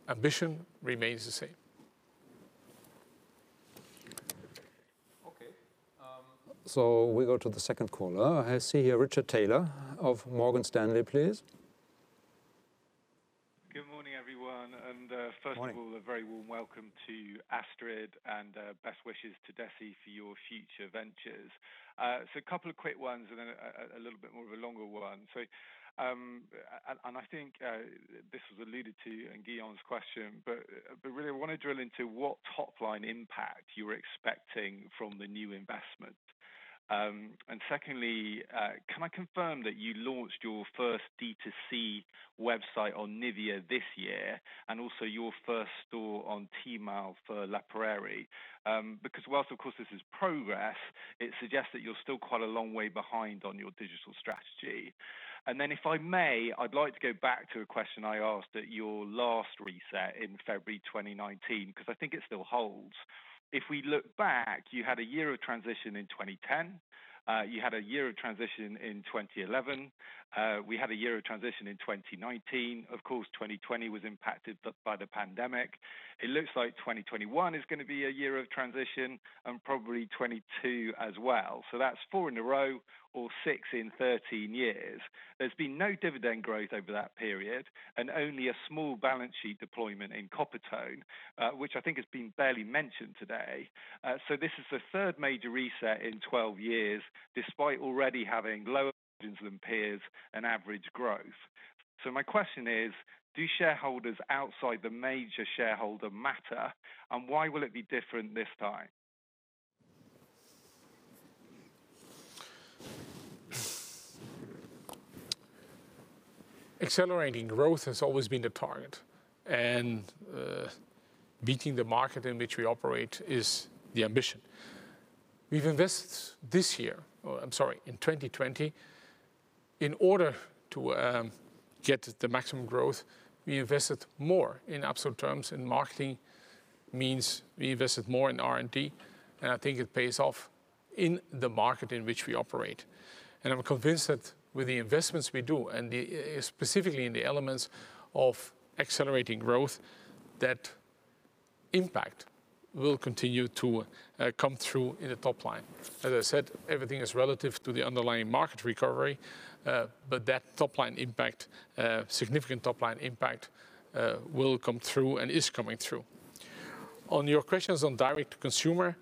ambition remains the same. Okay. We go to the second caller. I see here Richard Taylor of Morgan Stanley, please. Good morning, everyone. Morning. First of all, a very warm welcome to Astrid, and best wishes to Dessi for your future ventures. A couple of quick ones and then a little bit more of a longer one. I think this was alluded to in Guillaume's question, but really I want to drill into what top-line impact you were expecting from the new investment. Secondly, can I confirm that you launched your first D2C website on NIVEA this year, and also your first store on Tmall for La Prairie? Whilst of course this is progress, it suggests that you're still quite a long way behind on your digital strategy. If I may, I'd like to go back to a question I asked at your last reset in February 2019, because I think it still holds. If we look back, you had a year of transition in 2010. You had a year of transition in 2011. We had a year of transition in 2019. Of course, 2020 was impacted by the pandemic. It looks like 2021 is going to be a year of transition and probably 2022 as well. That's four in a row or six in 13 years. There's been no dividend growth over that period, and only a small balance sheet deployment in Coppertone, which I think has been barely mentioned today. This is the third major reset in 12 years, despite already having lower margins than peers and average growth. My question is, do shareholders outside the major shareholder matter, and why will it be different this time? Accelerating growth has always been the target, beating the market in which we operate is the ambition. We've invested this year, I'm sorry, in 2020, in order to get the maximum growth, we invested more in absolute terms in marketing, means we invested more in R&D, and I think it pays off in the market in which we operate. I'm convinced that with the investments we do, and specifically in the elements of accelerating growth, that impact will continue to come through in the top line. As I said, everything is relative to the underlying market recovery, but that top-line impact, significant top-line impact, will come through and is coming through. On your questions on direct-to-consumer,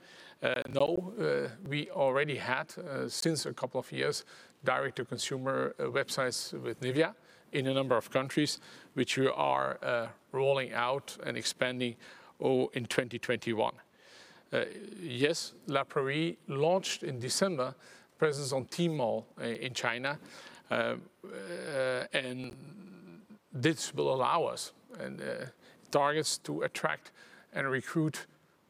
no, we already had, since a couple of years, direct-to-consumer websites with NIVEA in a number of countries, which we are rolling out and expanding in 2021. Yes, La Prairie launched in December presence on Tmall in China. This will allow us and targets to attract and recruit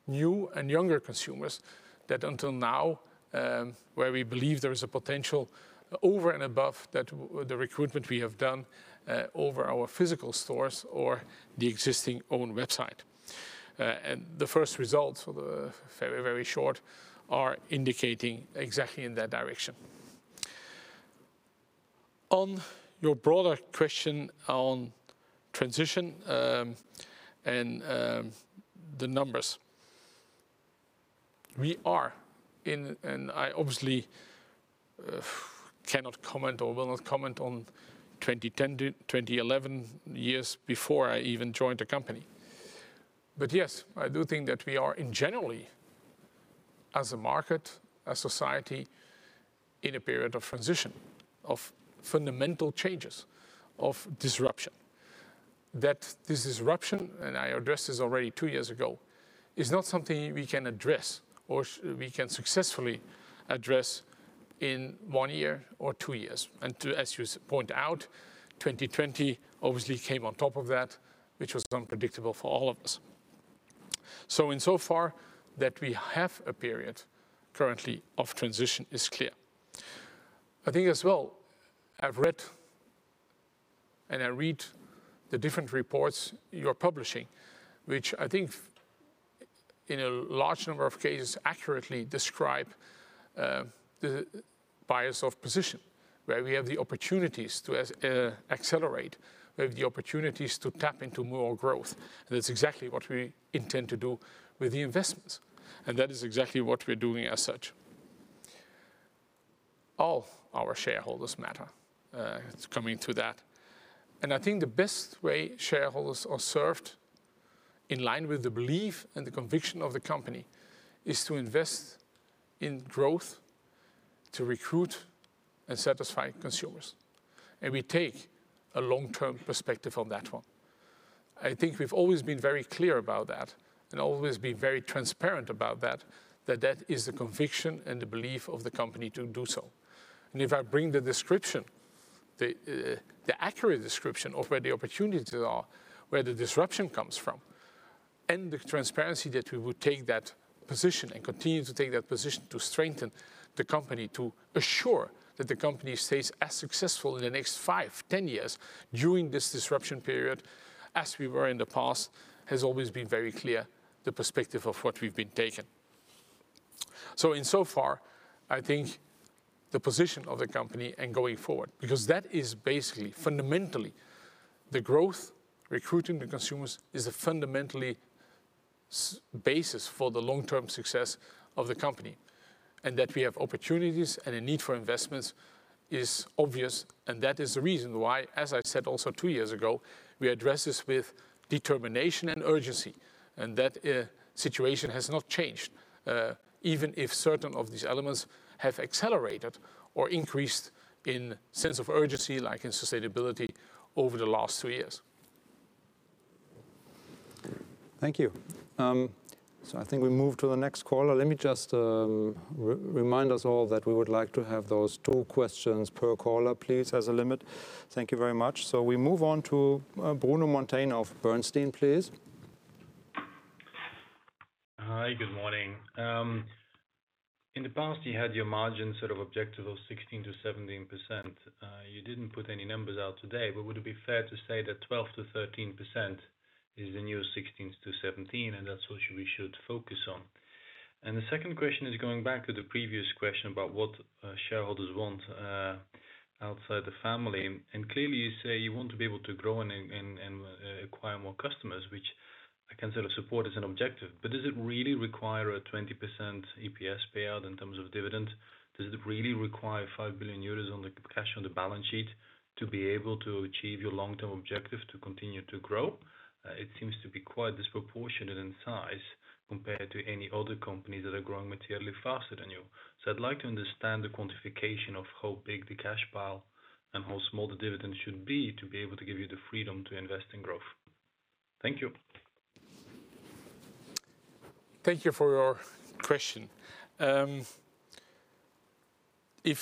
new and younger consumers that until now, where we believe there is a potential over and above the recruitment we have done over our physical stores or the existing own website. The first results are very short indicating exactly in that direction. On your broader question on transition, and the numbers. We are in, I obviously cannot comment or will not comment on 2010, 2011, years before I even joined the company. Yes, I do think that we are in generally, as a market, a society, in a period of transition, of fundamental changes, of disruption. This disruption, and I addressed this already two years ago, is not something we can address or we can successfully address in one year or two years. As you point out, 2020 obviously came on top of that, which was unpredictable for all of us. Insofar that we have a period currently of transition is clear. I think as well, I've read and I read the different reports you're publishing, which I think in a large number of cases accurately describe Beiersdorf's position. Where we have the opportunities to accelerate, we have the opportunities to tap into more growth. That's exactly what we intend to do with the investments. That is exactly what we're doing as such. All our shareholders matter. It's coming to that. I think the best way shareholders are served in line with the belief and the conviction of the company, is to invest in growth, to recruit, and satisfy consumers. We take a long-term perspective on that one. I think we've always been very clear about that, and always been very transparent about that that is the conviction and the belief of the company to do so. If I bring the description, the accurate description of where the opportunities are, where the disruption comes from, and the transparency that we would take that position and continue to take that position to strengthen the company, to assure that the company stays as successful in the next five, 10 years during this disruption period as we were in the past, has always been very clear, the perspective of what we've been taking. In so far, I think the position of the company and going forward, because that is basically, fundamentally the growth, recruiting the consumers is a fundamental basis for the long-term success of the company. That we have opportunities and a need for investments is obvious, and that is the reason why, as I said also two years ago, we address this with determination and urgency. That situation has not changed. Even if certain of these elements have accelerated or increased in sense of urgency, like in sustainability, over the last two years. Thank you. I think we move to the next caller. Let me just remind us all that we would like to have those two questions per caller, please, as a limit. Thank you very much. We move on to Bruno Monteyne of Bernstein, please. Hi, good morning. In the past, you had your margin sort of objective of 16%-17%. You didn't put any numbers out today, would it be fair to say that 12%-13% is the new 16%-17%, and that's what we should focus on? The second question is going back to the previous question about what shareholders want outside the family. Clearly you say you want to be able to grow and acquire more customers, which I can sort of support as an objective, but does it really require a 20% EPS payout in terms of dividend? Does it really require 5 billion euros on the cash on the balance sheet to be able to achieve your long-term objective to continue to grow? It seems to be quite disproportionate in size compared to any other companies that are growing materially faster than you. I'd like to understand the quantification of how big the cash pile and how small the dividend should be to be able to give you the freedom to invest in growth. Thank you. Thank you for your question. If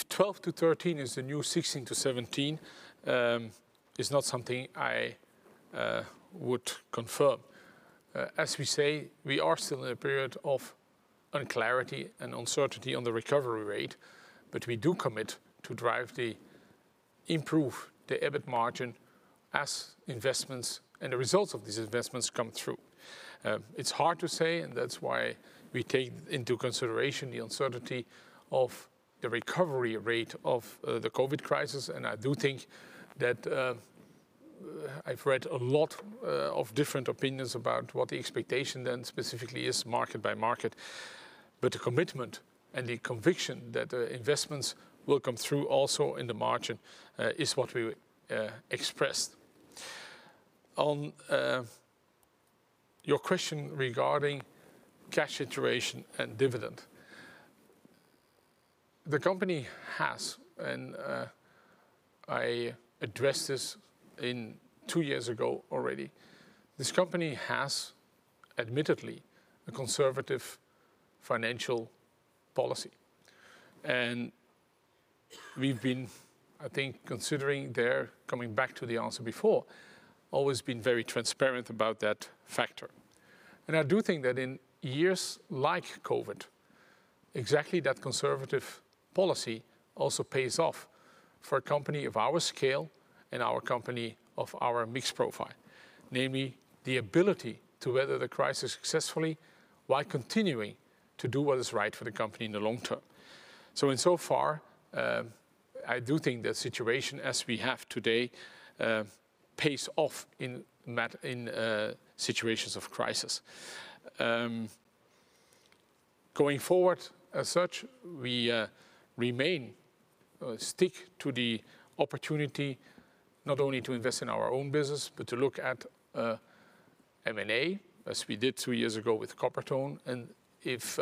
12%-13% is the new 16%-17%, it's not something I would confirm. As we say, we are still in a period of unclarity and uncertainty on the recovery rate, but we do commit to drive the improve the EBIT margin as investments and the results of these investments come through. It's hard to say. That's why we take into consideration the uncertainty of the recovery rate of the COVID crisis. I do think that I've read a lot of different opinions about what the expectation then specifically is market by market. The commitment and the conviction that investments will come through also in the margin, is what we expressed. On your question regarding cash generation and dividend, the company has, and I addressed this two years ago already. This company has admittedly a conservative financial policy. We've been, I think considering there, coming back to the answer before, always been very transparent about that factor. I do think that in years like COVID, exactly that conservative policy also pays off for a company of our scale and our company of our mix profile, namely the ability to weather the crisis successfully while continuing to do what is right for the company in the long term. In so far, I do think the situation as we have today, pays off in situations of crisis. Going forward as such, we remain, stick to the opportunity not only to invest in our own business, but to look at M&A as we did two years ago with Coppertone. If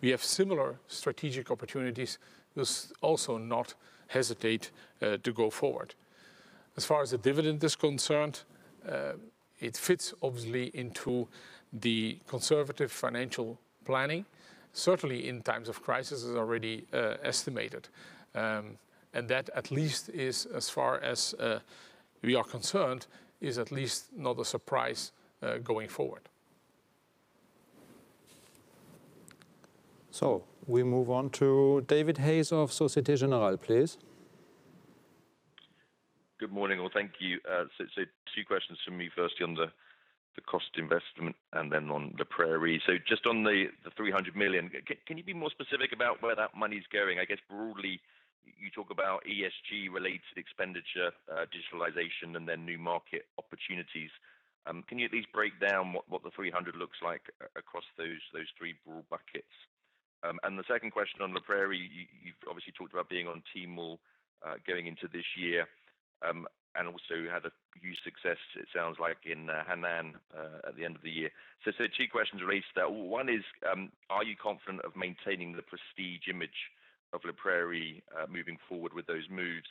we have similar strategic opportunities, there's also not hesitate to go forward. As far as the dividend is concerned, it fits obviously into the conservative financial planning. Certainly in times of crisis is already estimated. That at least is as far as we are concerned, is at least not a surprise going forward. We move on to David Hayes of Société Générale, please. Good morning. Well, thank you. Two questions from me. Firstly, on the cost investment and then on La Prairie. Just on the 300 million, can you be more specific about where that money's going? I guess broadly, you talk about ESG-related expenditure, digitalization, and then new market opportunities. Can you at least break down what the 300 million looks like across those three broad buckets? The second question on La Prairie, you've obviously talked about being on Tmall, going into this year, and also had a huge success it sounds like in Hainan at the end of the year. Two questions raised there. One is, are you confident of maintaining the prestige image of La Prairie, moving forward with those moves?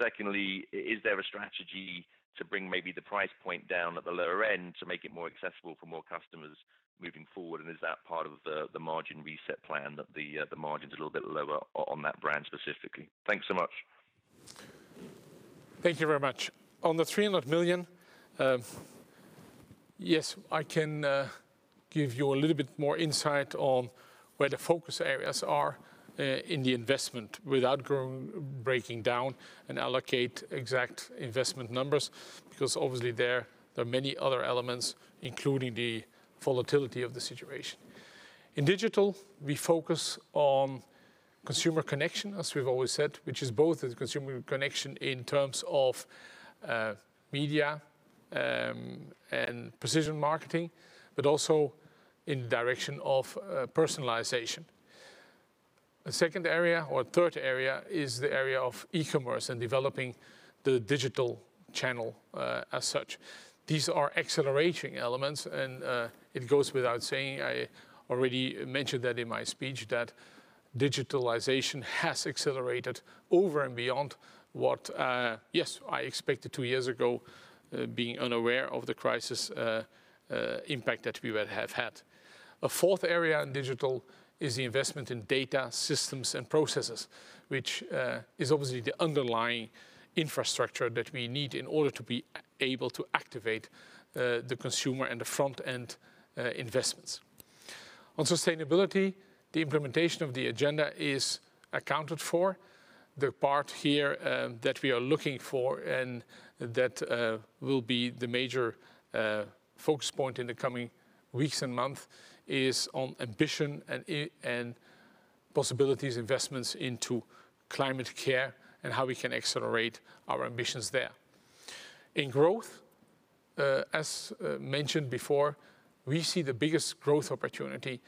Secondly, is there a strategy to bring maybe the price point down at the lower end to make it more accessible for more customers moving forward? Is that part of the margin reset plan that the margin's a little bit lower on that brand specifically? Thanks so much. Thank you very much. On the 300 million, yes, I can give you a little bit more insight on where the focus areas are in the investment without breaking down and allocate exact investment numbers, because obviously there are many other elements, including the volatility of the situation. In digital, we focus on consumer connection, as we've always said, which is both the consumer connection in terms of media and precision marketing, but also in direction of personalization. A second area or third area is the area of e-commerce and developing the digital channel as such. These are accelerating elements. It goes without saying, I already mentioned that in my speech, that digitalization has accelerated over and beyond what, yes, I expected two years ago, being unaware of the crisis impact that we would have had. A fourth area in digital is the investment in data systems and processes, which is obviously the underlying infrastructure that we need in order to be able to activate the consumer and the front-end investments. On sustainability, the implementation of the agenda is accounted for. The part here that we are looking for and that will be the major focus point in the coming weeks and months is on ambition and possibilities, investments into climate care and how we can accelerate our ambitions there. In growth, as mentioned before, we see the biggest growth opportunity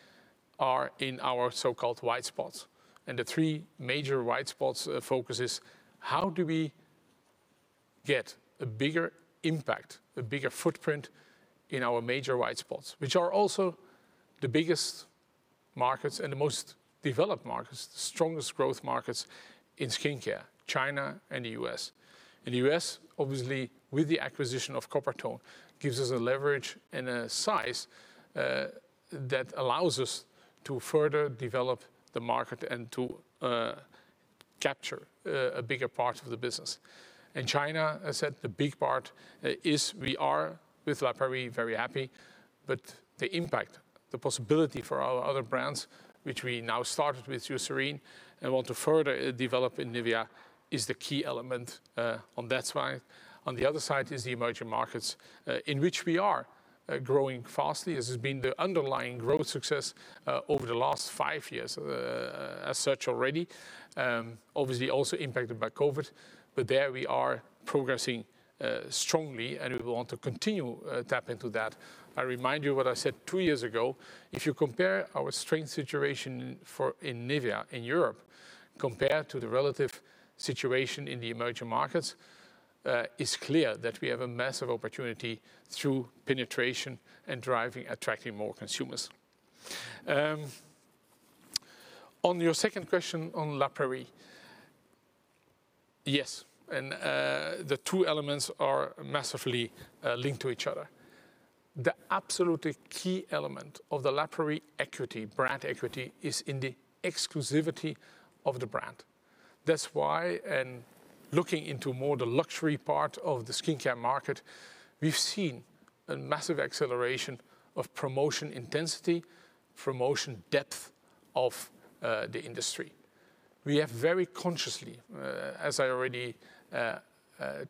are in our so-called white spots. The three major white spots focus is how do we get a bigger impact, a bigger footprint in our major white spots, which are also the biggest markets and the most developed markets, the strongest growth markets in skincare, China and the U.S. In the U.S., obviously, with the acquisition of Coppertone, gives us a leverage and a size that allows us to further develop the market and to capture a bigger part of the business. In China, as said, the big part is we are, with La Prairie, very happy, but the impact, the possibility for our other brands, which we now started with Eucerin and want to further develop in NIVEA, is the key element on that side. On the other side is the emerging markets, in which we are growing fastly. This has been the underlying growth success over the last five years as such already. Obviously, also impacted by COVID. There we are progressing strongly, and we want to continue to tap into that. I remind you what I said two years ago. If you compare our strength situation in NIVEA in Europe compared to the relative situation in the emerging markets, it's clear that we have a massive opportunity through penetration and driving, attracting more consumers. On your second question on La Prairie. Yes. The two elements are massively linked to each other. The absolutely key element of the La Prairie equity, brand equity, is in the exclusivity of the brand. That's why, looking into more the luxury part of the skincare market, we've seen a massive acceleration of promotion intensity, promotion depth of the industry. We have very consciously, as I already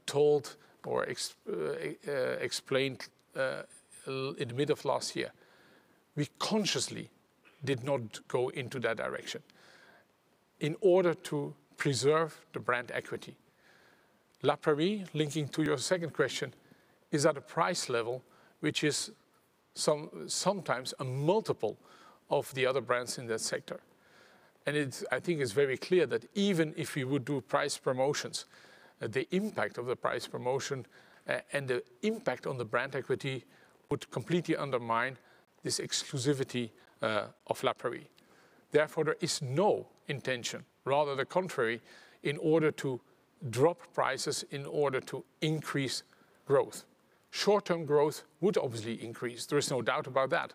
told or explained in the mid of last year, we consciously did not go into that direction in order to preserve the brand equity. La Prairie, linking to your second question, is at a price level, which is sometimes a multiple of the other brands in that sector. I think it's very clear that even if we would do price promotions, the impact of the price promotion and the impact on the brand equity would completely undermine this exclusivity of La Prairie. Therefore, there is no intention, rather the contrary, in order to drop prices in order to increase growth. Short-term growth would obviously increase. There is no doubt about that.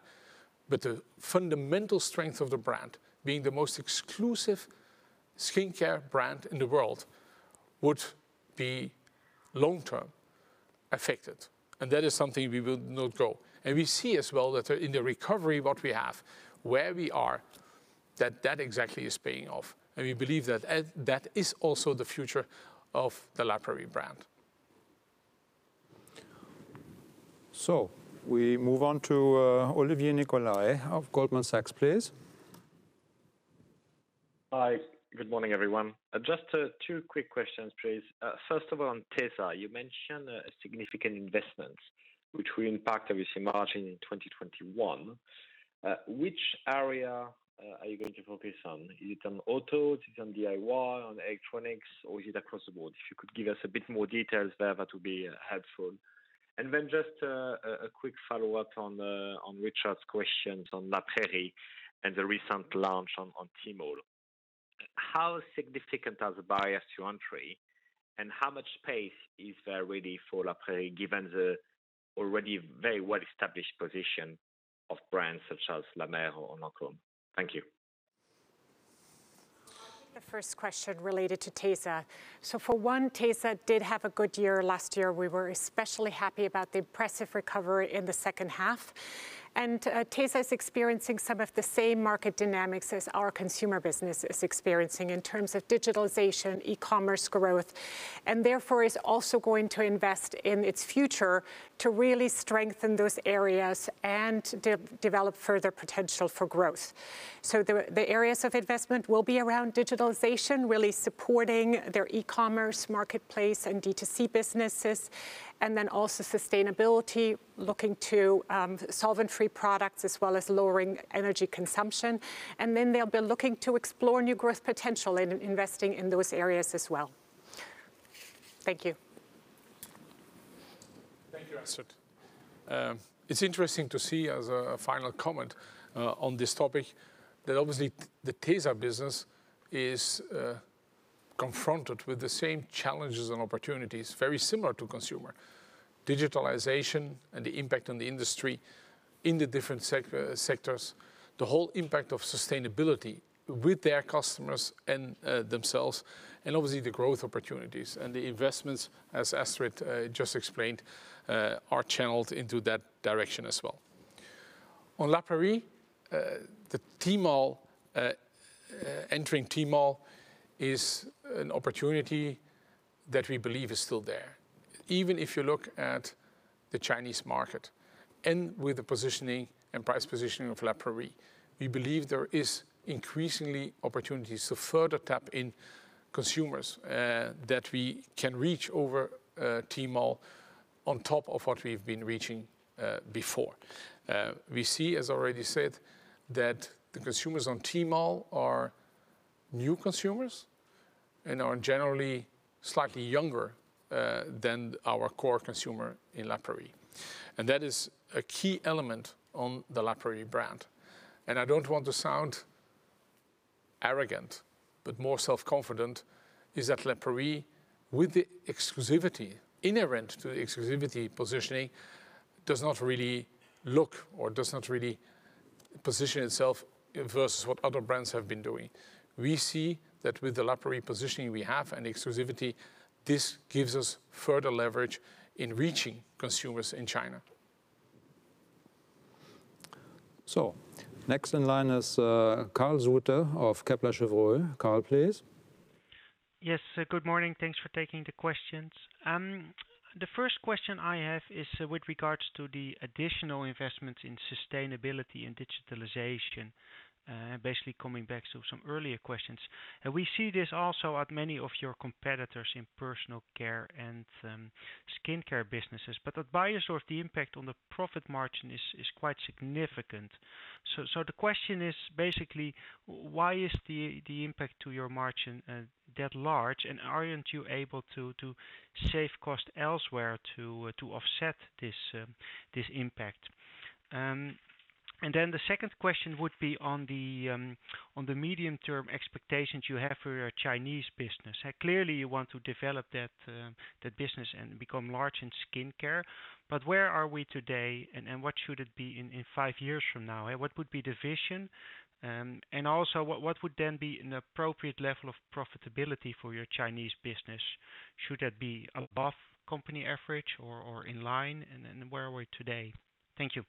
The fundamental strength of the brand being the most exclusive skincare brand in the world would be long-term-affected, and that is something we will not go. We see as well that in the recovery what we have, where we are, that that exactly is paying off. We believe that is also the future of the La Prairie brand. We move on to Jean-Olivier Nicolai of Goldman Sachs, please. Hi. Good morning, everyone. Just two quick questions, please. First of all, on tesa, you mentioned a significant investment which will impact, obviously, margin in 2021. Which area are you going to focus on? Is it on auto, is it on DIY, on electronics, or is it across the board? If you could give us a bit more details there, that would be helpful. Then just a quick follow-up on Richard's questions on La Prairie and the recent launch on Tmall. How significant are the barriers to entry, and how much space is there really for La Prairie, given the already very well-established position of brands such as La Mer or Lancôme? Thank you. I'll take the first question related to tesa. For one, tesa did have a good year last year. We were especially happy about the impressive recovery in the second half. tesa is experiencing some of the same market dynamics as our consumer business is experiencing in terms of digitalization, e-commerce growth, and therefore is also going to invest in its future to really strengthen those areas and develop further potential for growth. The areas of investment will be around digitalization, really supporting their e-commerce marketplace and D2C businesses, and then also sustainability, looking to solvent-free products as well as lowering energy consumption. Then they'll be looking to explore new growth potential and investing in those areas as well. Thank you. Thank you, Astrid. It's interesting to see, as a final comment on this topic, that obviously the tesa business is confronted with the same challenges and opportunities very similar to consumer. Digitalization and the impact on the industry in the different sectors, the whole impact of sustainability with their customers and themselves, Obviously the growth opportunities and the investments, as Astrid just explained, are channeled into that direction as well. On La Prairie, entering Tmall is an opportunity that we believe is still there. If you look at the Chinese market and with the positioning and price positioning of La Prairie, we believe there is increasingly opportunities to further tap in consumers that we can reach over Tmall on top of what we've been reaching before. We see, as already said, that the consumers on Tmall are new consumers and are generally slightly younger than our core consumer in La Prairie. That is a key element on the La Prairie brand. I don't want to sound arrogant, but more self-confident is that La Prairie, with the exclusivity, inherent to the exclusivity positioning, does not really look or does not really position itself versus what other brands have been doing. We see that with the La Prairie positioning we have and exclusivity, this gives us further leverage in reaching consumers in China. Next in line is Karel Zoete of Kepler Cheuvreux. Karel, please. Yes, good morning. Thanks for taking the questions. The first question I have is with regards to the additional investments in sustainability and digitalization, basically coming back to some earlier questions. We see this also at many of your competitors in personal care and skin care businesses, but at Beiersdorf, the impact on the profit margin is quite significant. The question is basically, why is the impact to your margin that large, and aren't you able to save cost elsewhere to offset this impact? The second question would be on the medium-term expectations you have for your Chinese business. Clearly, you want to develop that business and become large in skin care, but where are we today and what should it be in five years from now? What would be the vision? What would then be an appropriate level of profitability for your Chinese business? Should that be above company average or in line, where are we today? Thank you.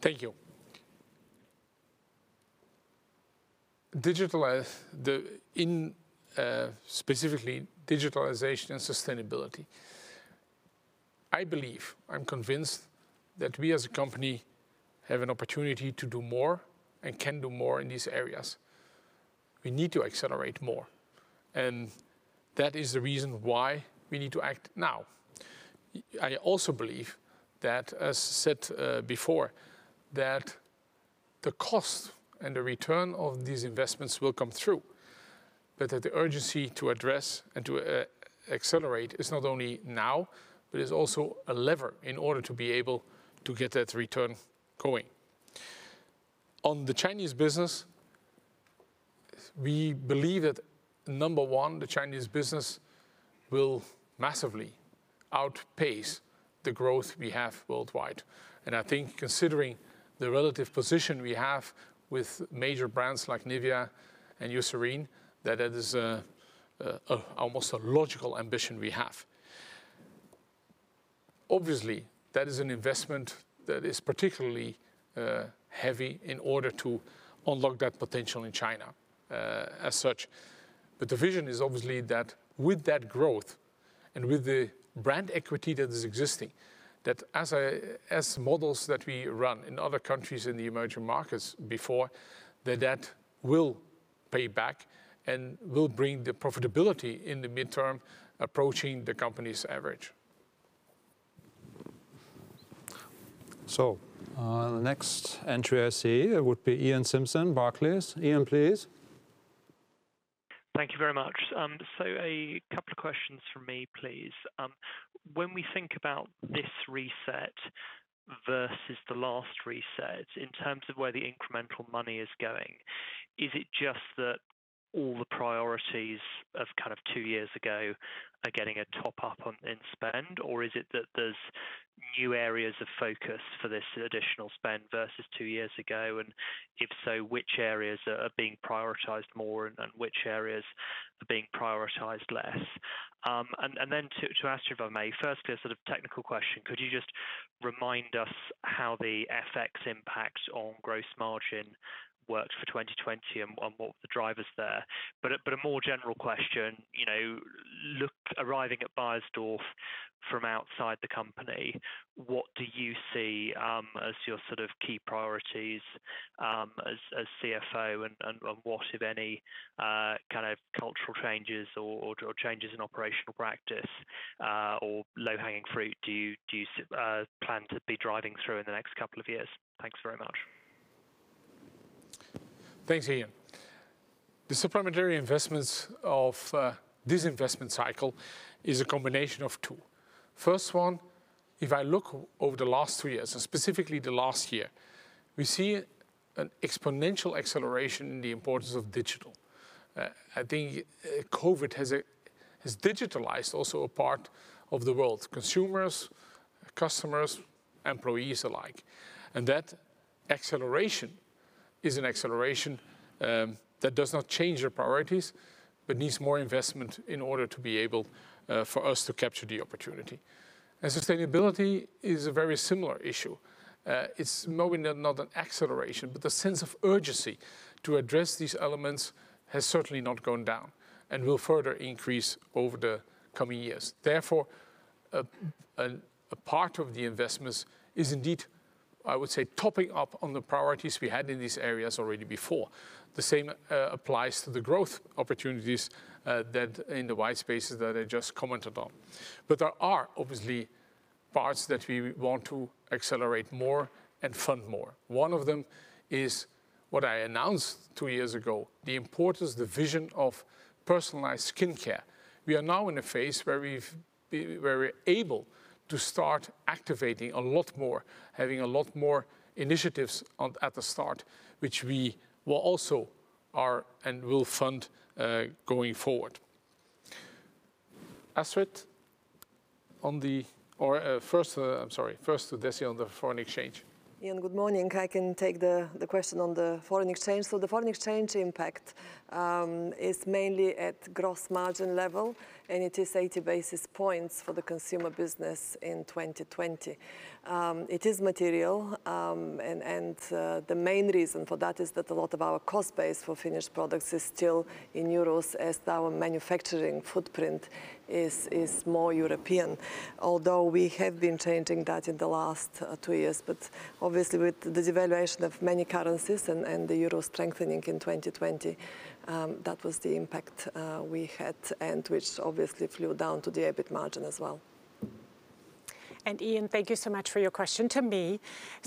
Thank you. Specifically, digitalization and sustainability. I believe, I am convinced, that we as a company have an opportunity to do more and can do more in these areas. We need to accelerate more. That is the reason why we need to act now. I also believe that, as said before, that the cost and the return of these investments will come through, but that the urgency to address and to accelerate is not only now, but is also a lever in order to be able to get that return going. On the Chinese business, we believe that, number one, the Chinese business will massively outpace the growth we have worldwide. I think considering the relative position we have with major brands like NIVEA and Eucerin, that is almost a logical ambition we have. Obviously, that is an investment that is particularly heavy in order to unlock that potential in China as such. The vision is obviously that with that growth and with the brand equity that is existing, that as models that we run in other countries in the emerging markets before, that will pay back and will bring the profitability in the midterm approaching the company's average. The next entry I see would be Iain Simpson, Barclays. Iain, please. Thank you very much. A couple of questions from me, please. When we think about this reset versus the last reset in terms of where the incremental money is going, is it just that all the priorities of two years ago are getting a top-up in spend, or is it that there's new areas of focus for this additional spend versus two years ago, and if so, which areas are being prioritized more and which areas are being prioritized less? To ask you, if I may, first a technical question, could you just remind us how the FX impact on gross margin worked for 2020 and what were the drivers there? A more general question, arriving at Beiersdorf from outside the company, what do you see as your key priorities as CFO and what, if any, cultural changes or changes in operational practice or low-hanging fruit do you plan to be driving through in the next couple of years? Thanks very much. Thanks, Iain. The supplementary investments of this investment cycle is a combination of two. First one, if I look over the last three years, and specifically the last year, we see an exponential acceleration in the importance of digital. I think COVID-19 has digitalized also a part of the world, consumers, customers, employees alike. That acceleration is an acceleration that does not change their priorities but needs more investment in order to be able for us to capture the opportunity. Sustainability is a very similar issue. It's maybe not an acceleration, but the sense of urgency to address these elements has certainly not gone down and will further increase over the coming years. Therefore, a part of the investments is indeed, I would say, topping up on the priorities we had in these areas already before. The same applies to the growth opportunities in the white spaces that I just commented on. There are obviously parts that we want to accelerate more and fund more. One of them is what I announced two years ago, the importance, the vision of personalized skincare. We are now in a phase where we're able to start activating a lot more, having a lot more initiatives at the start, which we will also are and will fund going forward. Or first, I'm sorry. First to Dessi on the foreign exchange. Iain, good morning. I can take the question on the foreign exchange. The foreign exchange impact is mainly at gross margin level, and it is 80 basis points for the consumer business in 2020. It is material, and the main reason for that is that a lot of our cost base for finished products is still in euros as our manufacturing footprint is more European. Although we have been changing that in the last two years. Obviously with the devaluation of many currencies and the euro strengthening in 2020, that was the impact we had and which obviously flew down to the EBIT margin as well. Iain, thank you so much for your question to me.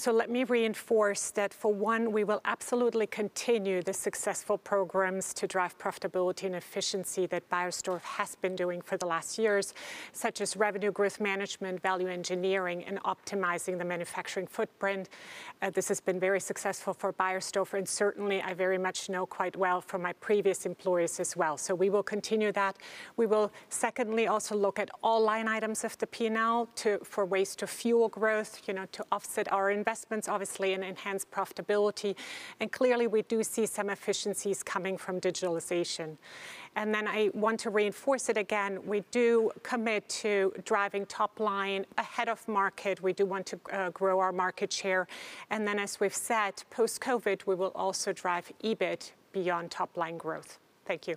Let me reinforce that for one, we will absolutely continue the successful programs to drive profitability and efficiency that Beiersdorf has been doing for the last years, such as revenue growth management, value engineering, and optimizing the manufacturing footprint. This has been very successful for Beiersdorf, and certainly I very much know quite well from my previous employers as well. We will continue that. We will secondly also look at all line items of the P&L for ways to fuel growth, to offset our investments, obviously, and enhance profitability. Clearly, we do see some efficiencies coming from digitalization. I want to reinforce it again, we do commit to driving top line ahead of market. We do want to grow our market share. As we've said, post-COVID, we will also drive EBIT beyond top-line growth. Thank you.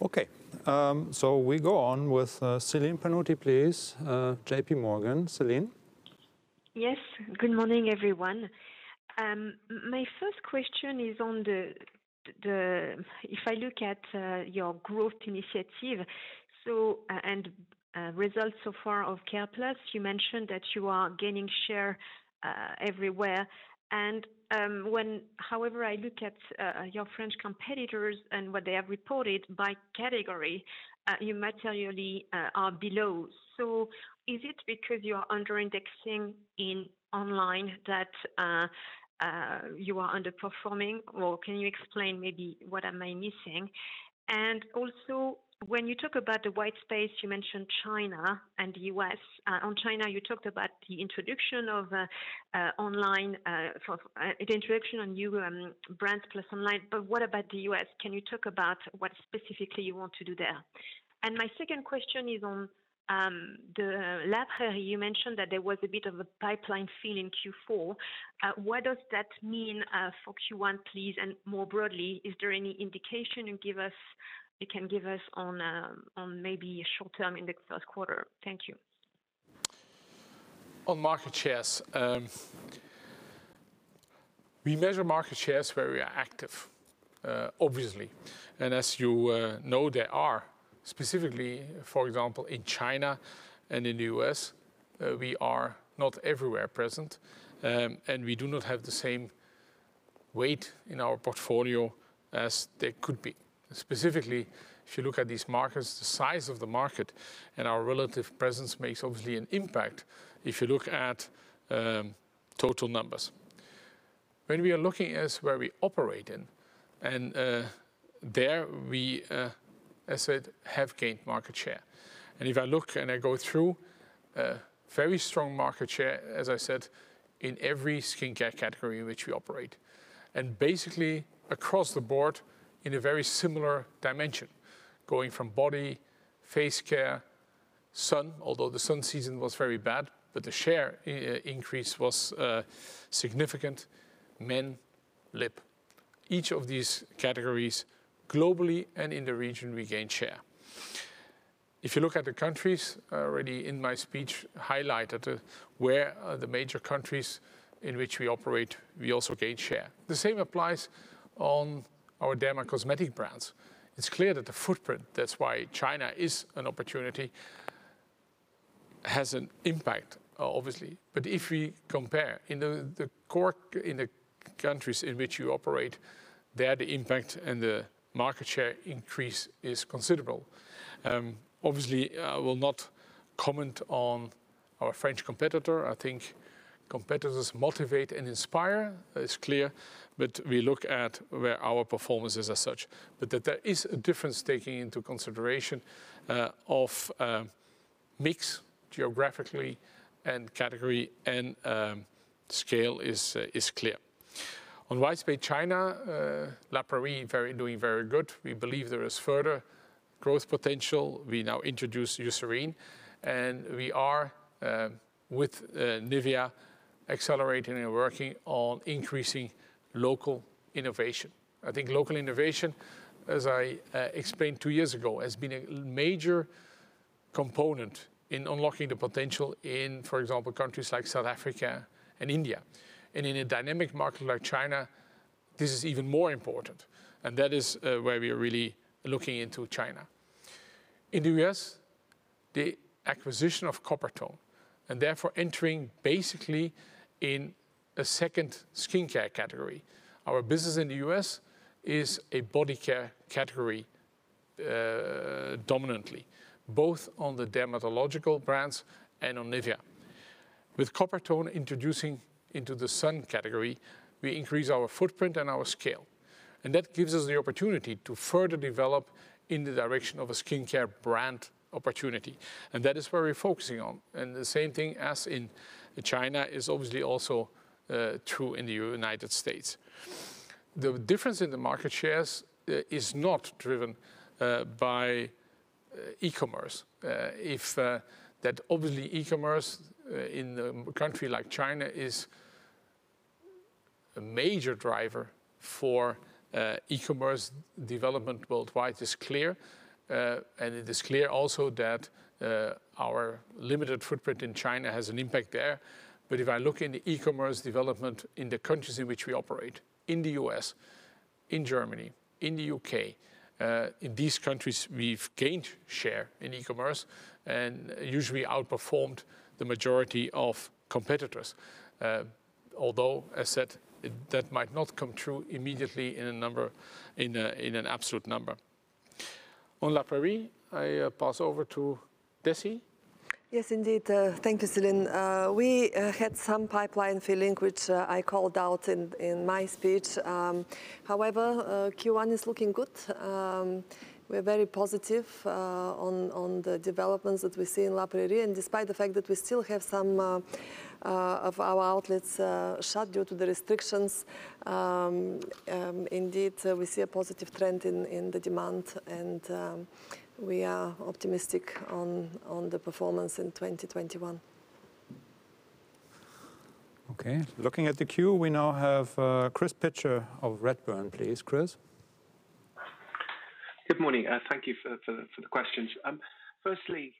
Okay. We go on with Celine Pannuti, please. JPMorgan, Celine. Yes. Good morning, everyone. My first question is on, if I look at your growth initiative and results so far of C.A.R.E.+, you mentioned that you are gaining share everywhere. When, however, I look at your French competitors and what they have reported by category, you materially are below. Is it because you are under-indexing in online that you are underperforming, or can you explain maybe what am I missing? Also, when you talk about the white space, you mentioned China and the U.S. On China, you talked about the introduction of new brands plus online, but what about the U.S.? Can you talk about what specifically you want to do there? My second question is on La Prairie. You mentioned that there was a bit of a pipeline fill in Q4. What does that mean for Q1, please? More broadly, is there any indication you can give us on maybe a short-term in the first quarter? Thank you. On market shares. We measure market shares where we are active, obviously. As you know, there are specifically, for example, in China and in the U.S., we are not everywhere present, and we do not have the same weight in our portfolio as there could be. Specifically, if you look at these markets, the size of the market and our relative presence makes obviously an impact if you look at total numbers. When we are looking as where we operate in, there we, as said, have gained market share. If I look and I go through, very strong market share, as I said, in every skincare category in which we operate. Basically, across the board in a very similar dimension, going from body, face care, sun, although the sun season was very bad, but the share increase was significant. Men, lip, each of these categories globally and in the region, we gained share. If you look at the countries already in my speech, highlighted where the major countries in which we operate, we also gained share. The same applies on our dermo-cosmetic brands. It's clear that the footprint, that's why China is an opportunity, has an impact, obviously. If we compare in the countries in which you operate, there, the impact and the market share increase is considerable. Obviously, I will not comment on our French competitor. I think competitors motivate and inspire, it's clear, but we look at where our performance is as such. That there is a difference taking into consideration of mix geographically and category and scale is clear. On white space China, La Prairie doing very good. We believe there is further growth potential. We now introduce Eucerin, we are, with NIVEA, accelerating and working on increasing local innovation. I think local innovation, as I explained two years ago, has been a major component in unlocking the potential in, for example, countries like South Africa and India. In a dynamic market like China, this is even more important, that is where we are really looking into China. In the U.S., the acquisition of Coppertone, therefore entering basically in a second skincare category. Our business in the U.S. is a body care category, dominantly, both on the dermatological brands and on NIVEA. With Coppertone introducing into the sun category, we increase our footprint and our scale. That gives us the opportunity to further develop in the direction of a skincare brand opportunity. That is where we're focusing on. The same thing as in China is obviously also true in the United States. The difference in the market shares is not driven by e-commerce. If that obviously e-commerce in a country like China is a major driver for e-commerce development worldwide is clear, and it is clear also that our limited footprint in China has an impact there. If I look in the e-commerce development in the countries in which we operate, in the U.S., in Germany, in the U.K., in these countries, we've gained share in e-commerce and usually outperformed the majority of competitors. Although, as said, that might not come true immediately in an absolute number. On La Prairie, I pass over to Dessi. Yes, indeed. Thank you, Celine. We had some pipeline filling, which I called out in my speech. Q1 is looking good. We're very positive on the developments that we see in La Prairie, and despite the fact that we still have some of our outlets shut due to the restrictions, indeed, we see a positive trend in the demand, and we are optimistic on the performance in 2021. Okay. Looking at the queue, we now have Chris Pitcher of Redburn, please. Chris? Good morning. Thank you for the questions. Firstly,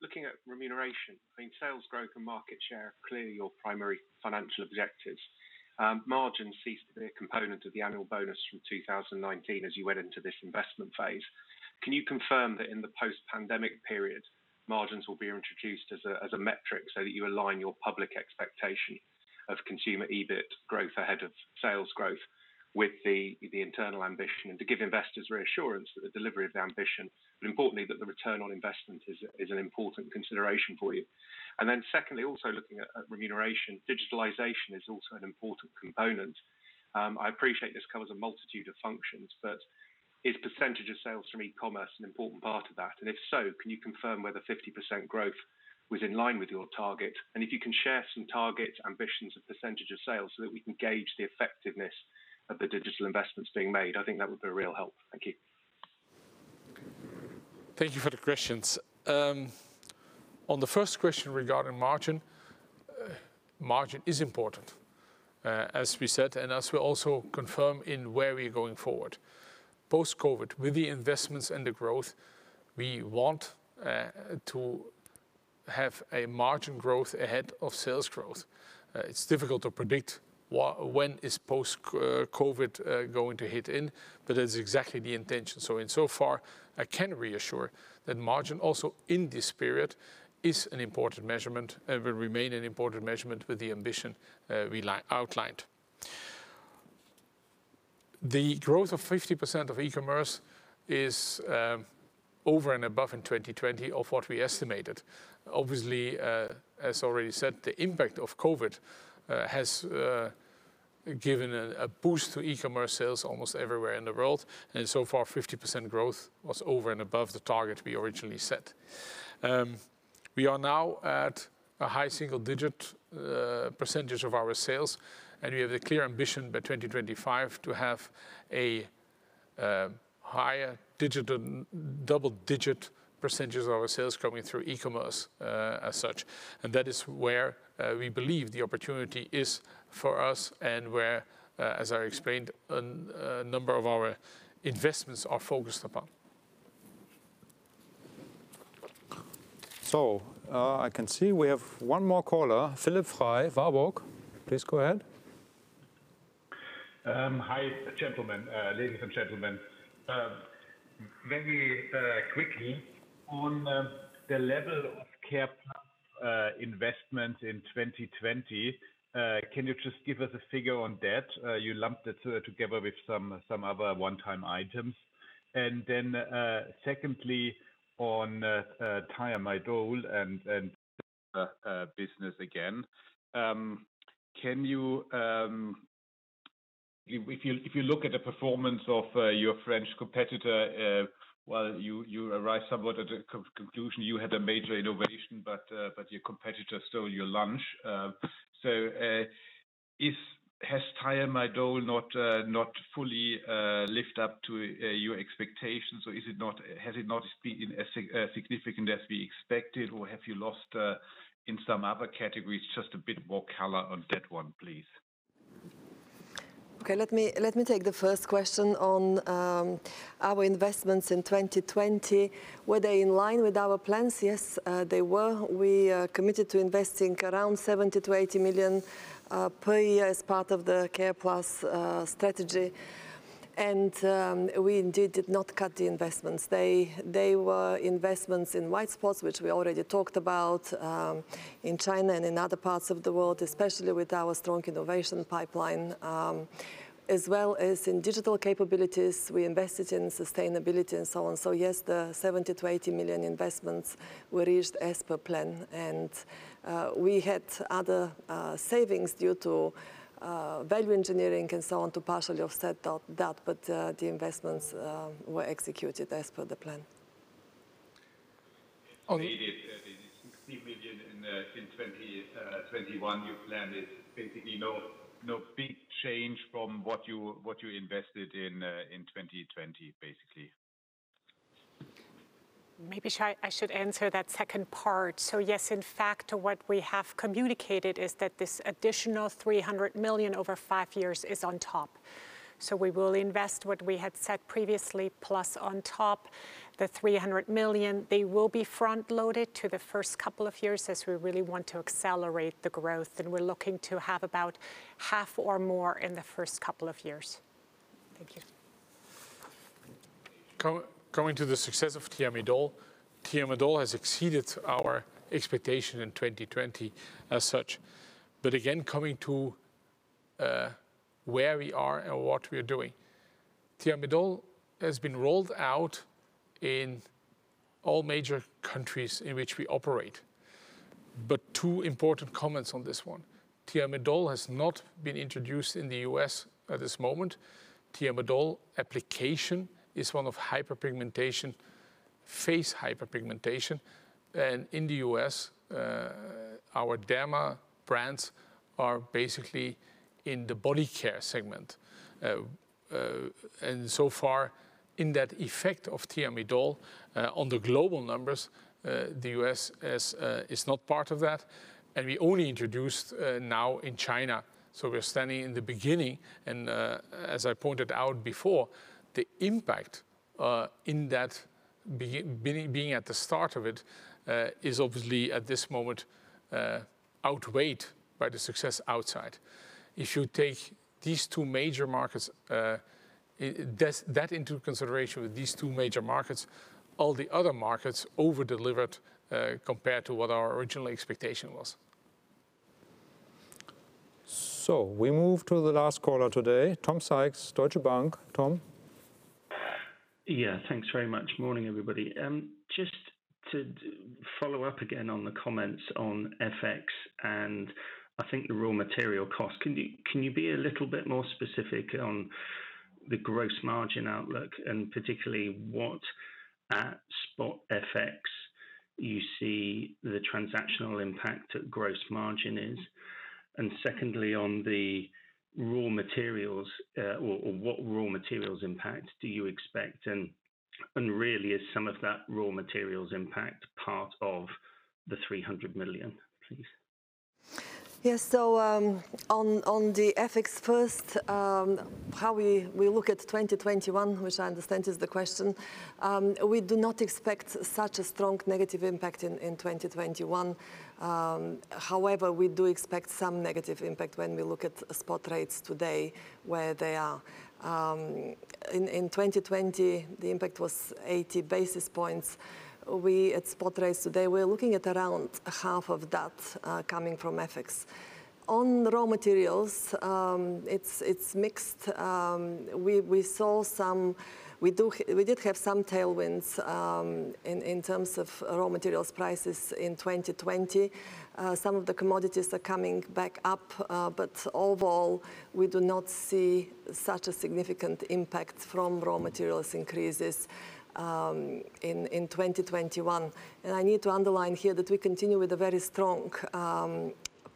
looking at remuneration. I mean, sales growth and market share are clearly your primary financial objectives. Margins ceased to be a component of the annual bonus from 2019 as you went into this investment phase. Can you confirm that in the post-pandemic period, margins will be introduced as a metric so that you align your public expectation of consumer EBIT growth ahead of sales growth with the internal ambition and to give investors reassurance that the delivery of the ambition, but importantly, that the return on investment is an important consideration for you? Secondly, also looking at remuneration, digitalization is also an important component. I appreciate this covers a multitude of functions, but is percentage of sales from e-commerce an important part of that? If so, can you confirm whether 50% growth was in line with your target? If you can share some targets, ambitions of % of sales so that we can gauge the effectiveness of the digital investments being made, I think that would be a real help. Thank you. Thank you for the questions. On the first question regarding margin. Margin is important, as we said, and as we also confirm in where we're going forward. Post-COVID, with the investments and the growth, we want to have a margin growth ahead of sales growth. It's difficult to predict when is post-COVID going to hit in, but that's exactly the intention. In so far, I can reassure that margin also in this period is an important measurement and will remain an important measurement with the ambition we outlined. The growth of 50% of e-commerce is over and above in 2020 of what we estimated. Obviously, as already said, the impact of COVID has given a boost to e-commerce sales almost everywhere in the world, and so far, 50% growth was over and above the target we originally set. We are now at a high single-digit percentage of our sales. We have the clear ambition by 2025 to have a higher double-digit % of our sales coming through e-commerce, as such. That is where we believe the opportunity is for us and where, as I explained, a number of our investments are focused upon. I can see we have one more caller, Philipp Frey, Warburg. Please go ahead. Hi, ladies and gentlemen. Very quickly, on the level of care investment in 2020, can you just give us a figure on that? You lumped it together with some other one-time items. Secondly, on Thiamidol and business again. If you look at the performance of your French competitor, well, you arrive somewhat at the conclusion you had a major innovation, but your competitor stole your lunch. Has Thiamidol not fully lived up to your expectations, or has it not been as significant as we expected, or have you lost in some other categories? Just a bit more color on that one, please. Okay, let me take the first question on our investments in 2020. Were they in line with our plans? Yes, they were. We are committed to investing around 70 million-80 million per year as part of the C.A.R.E.+ strategy. We indeed did not cut the investments. They were investments in white spots, which we already talked about, in China and in other parts of the world, especially with our strong innovation pipeline, as well as in digital capabilities. We invested in sustainability and so on. Yes, the 70 million-80 million investments were reached as per plan, and we had other savings due to value engineering and so on to partially offset that, but the investments were executed as per the plan. Okay. You stated that in the EUR 60 million in 2021, your plan is basically no big change from what you invested in 2020, basically. Maybe I should answer that second part. Yes, in fact, what we have communicated is that this additional 300 million over five years is on top. We will invest what we had said previously, plus on top the 300 million. They will be front-loaded to the first couple of years as we really want to accelerate the growth, and we're looking to have about half or more in the first couple of years. Thank you. Coming to the success of Thiamidol. Thiamidol has exceeded our expectation in 2020 as such. Again, coming to where we are and what we are doing. Thiamidol has been rolled out in all major countries in which we operate. Two important comments on this one. Thiamidol has not been introduced in the U.S. at this moment. Thiamidol application is one of hyperpigmentation, face hyperpigmentation. In the U.S., our derma brands are basically in the body care segment. So far, in that effect of Thiamidol on the global numbers, the U.S. is not part of that, and we only introduced now in China. We're standing in the beginning and, as I pointed out before, the impact in that being at the start of it, is obviously at this moment outweighed by the success outside. If you take these two major markets, that into consideration with these two major markets, all the other markets over-delivered compared to what our original expectation was. We move to the last caller today, Tom Sykes, Deutsche Bank. Tom? Yeah, thanks very much. Morning, everybody. Just to follow up again on the comments on FX and I think the raw material cost, can you be a little bit more specific on the gross margin outlook and particularly what at spot FX you see the transactional impact at gross margin is? Secondly, on the raw materials, or what raw materials impact do you expect? Really is some of that raw materials impact part of the 300 million, please? Yes. On the FX first, how we look at 2021, which I understand is the question. We do not expect such a strong negative impact in 2021. However, we do expect some negative impact when we look at spot rates today where they are. In 2020, the impact was 80 basis points. At spot rates today, we're looking at around half of that coming from FX. On raw materials, it's mixed. We did have some tailwinds in terms of raw materials prices in 2020. Some of the commodities are coming back up, but overall we do not see such a significant impact from raw materials increases in 2021. I need to underline here that we continue with a very strong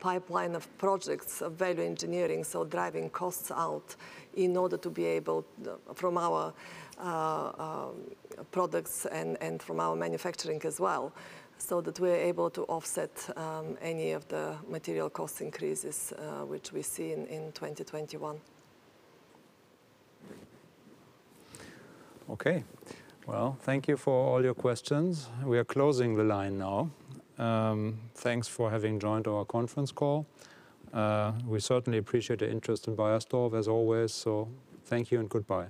pipeline of projects of value engineering, so driving costs out in order to be able from our products and from our manufacturing as well, so that we're able to offset any of the material cost increases which we see in 2021. Okay. Well, thank you for all your questions. We are closing the line now. Thanks for having joined our conference call. We certainly appreciate the interest in Beiersdorf as always. Thank you and goodbye.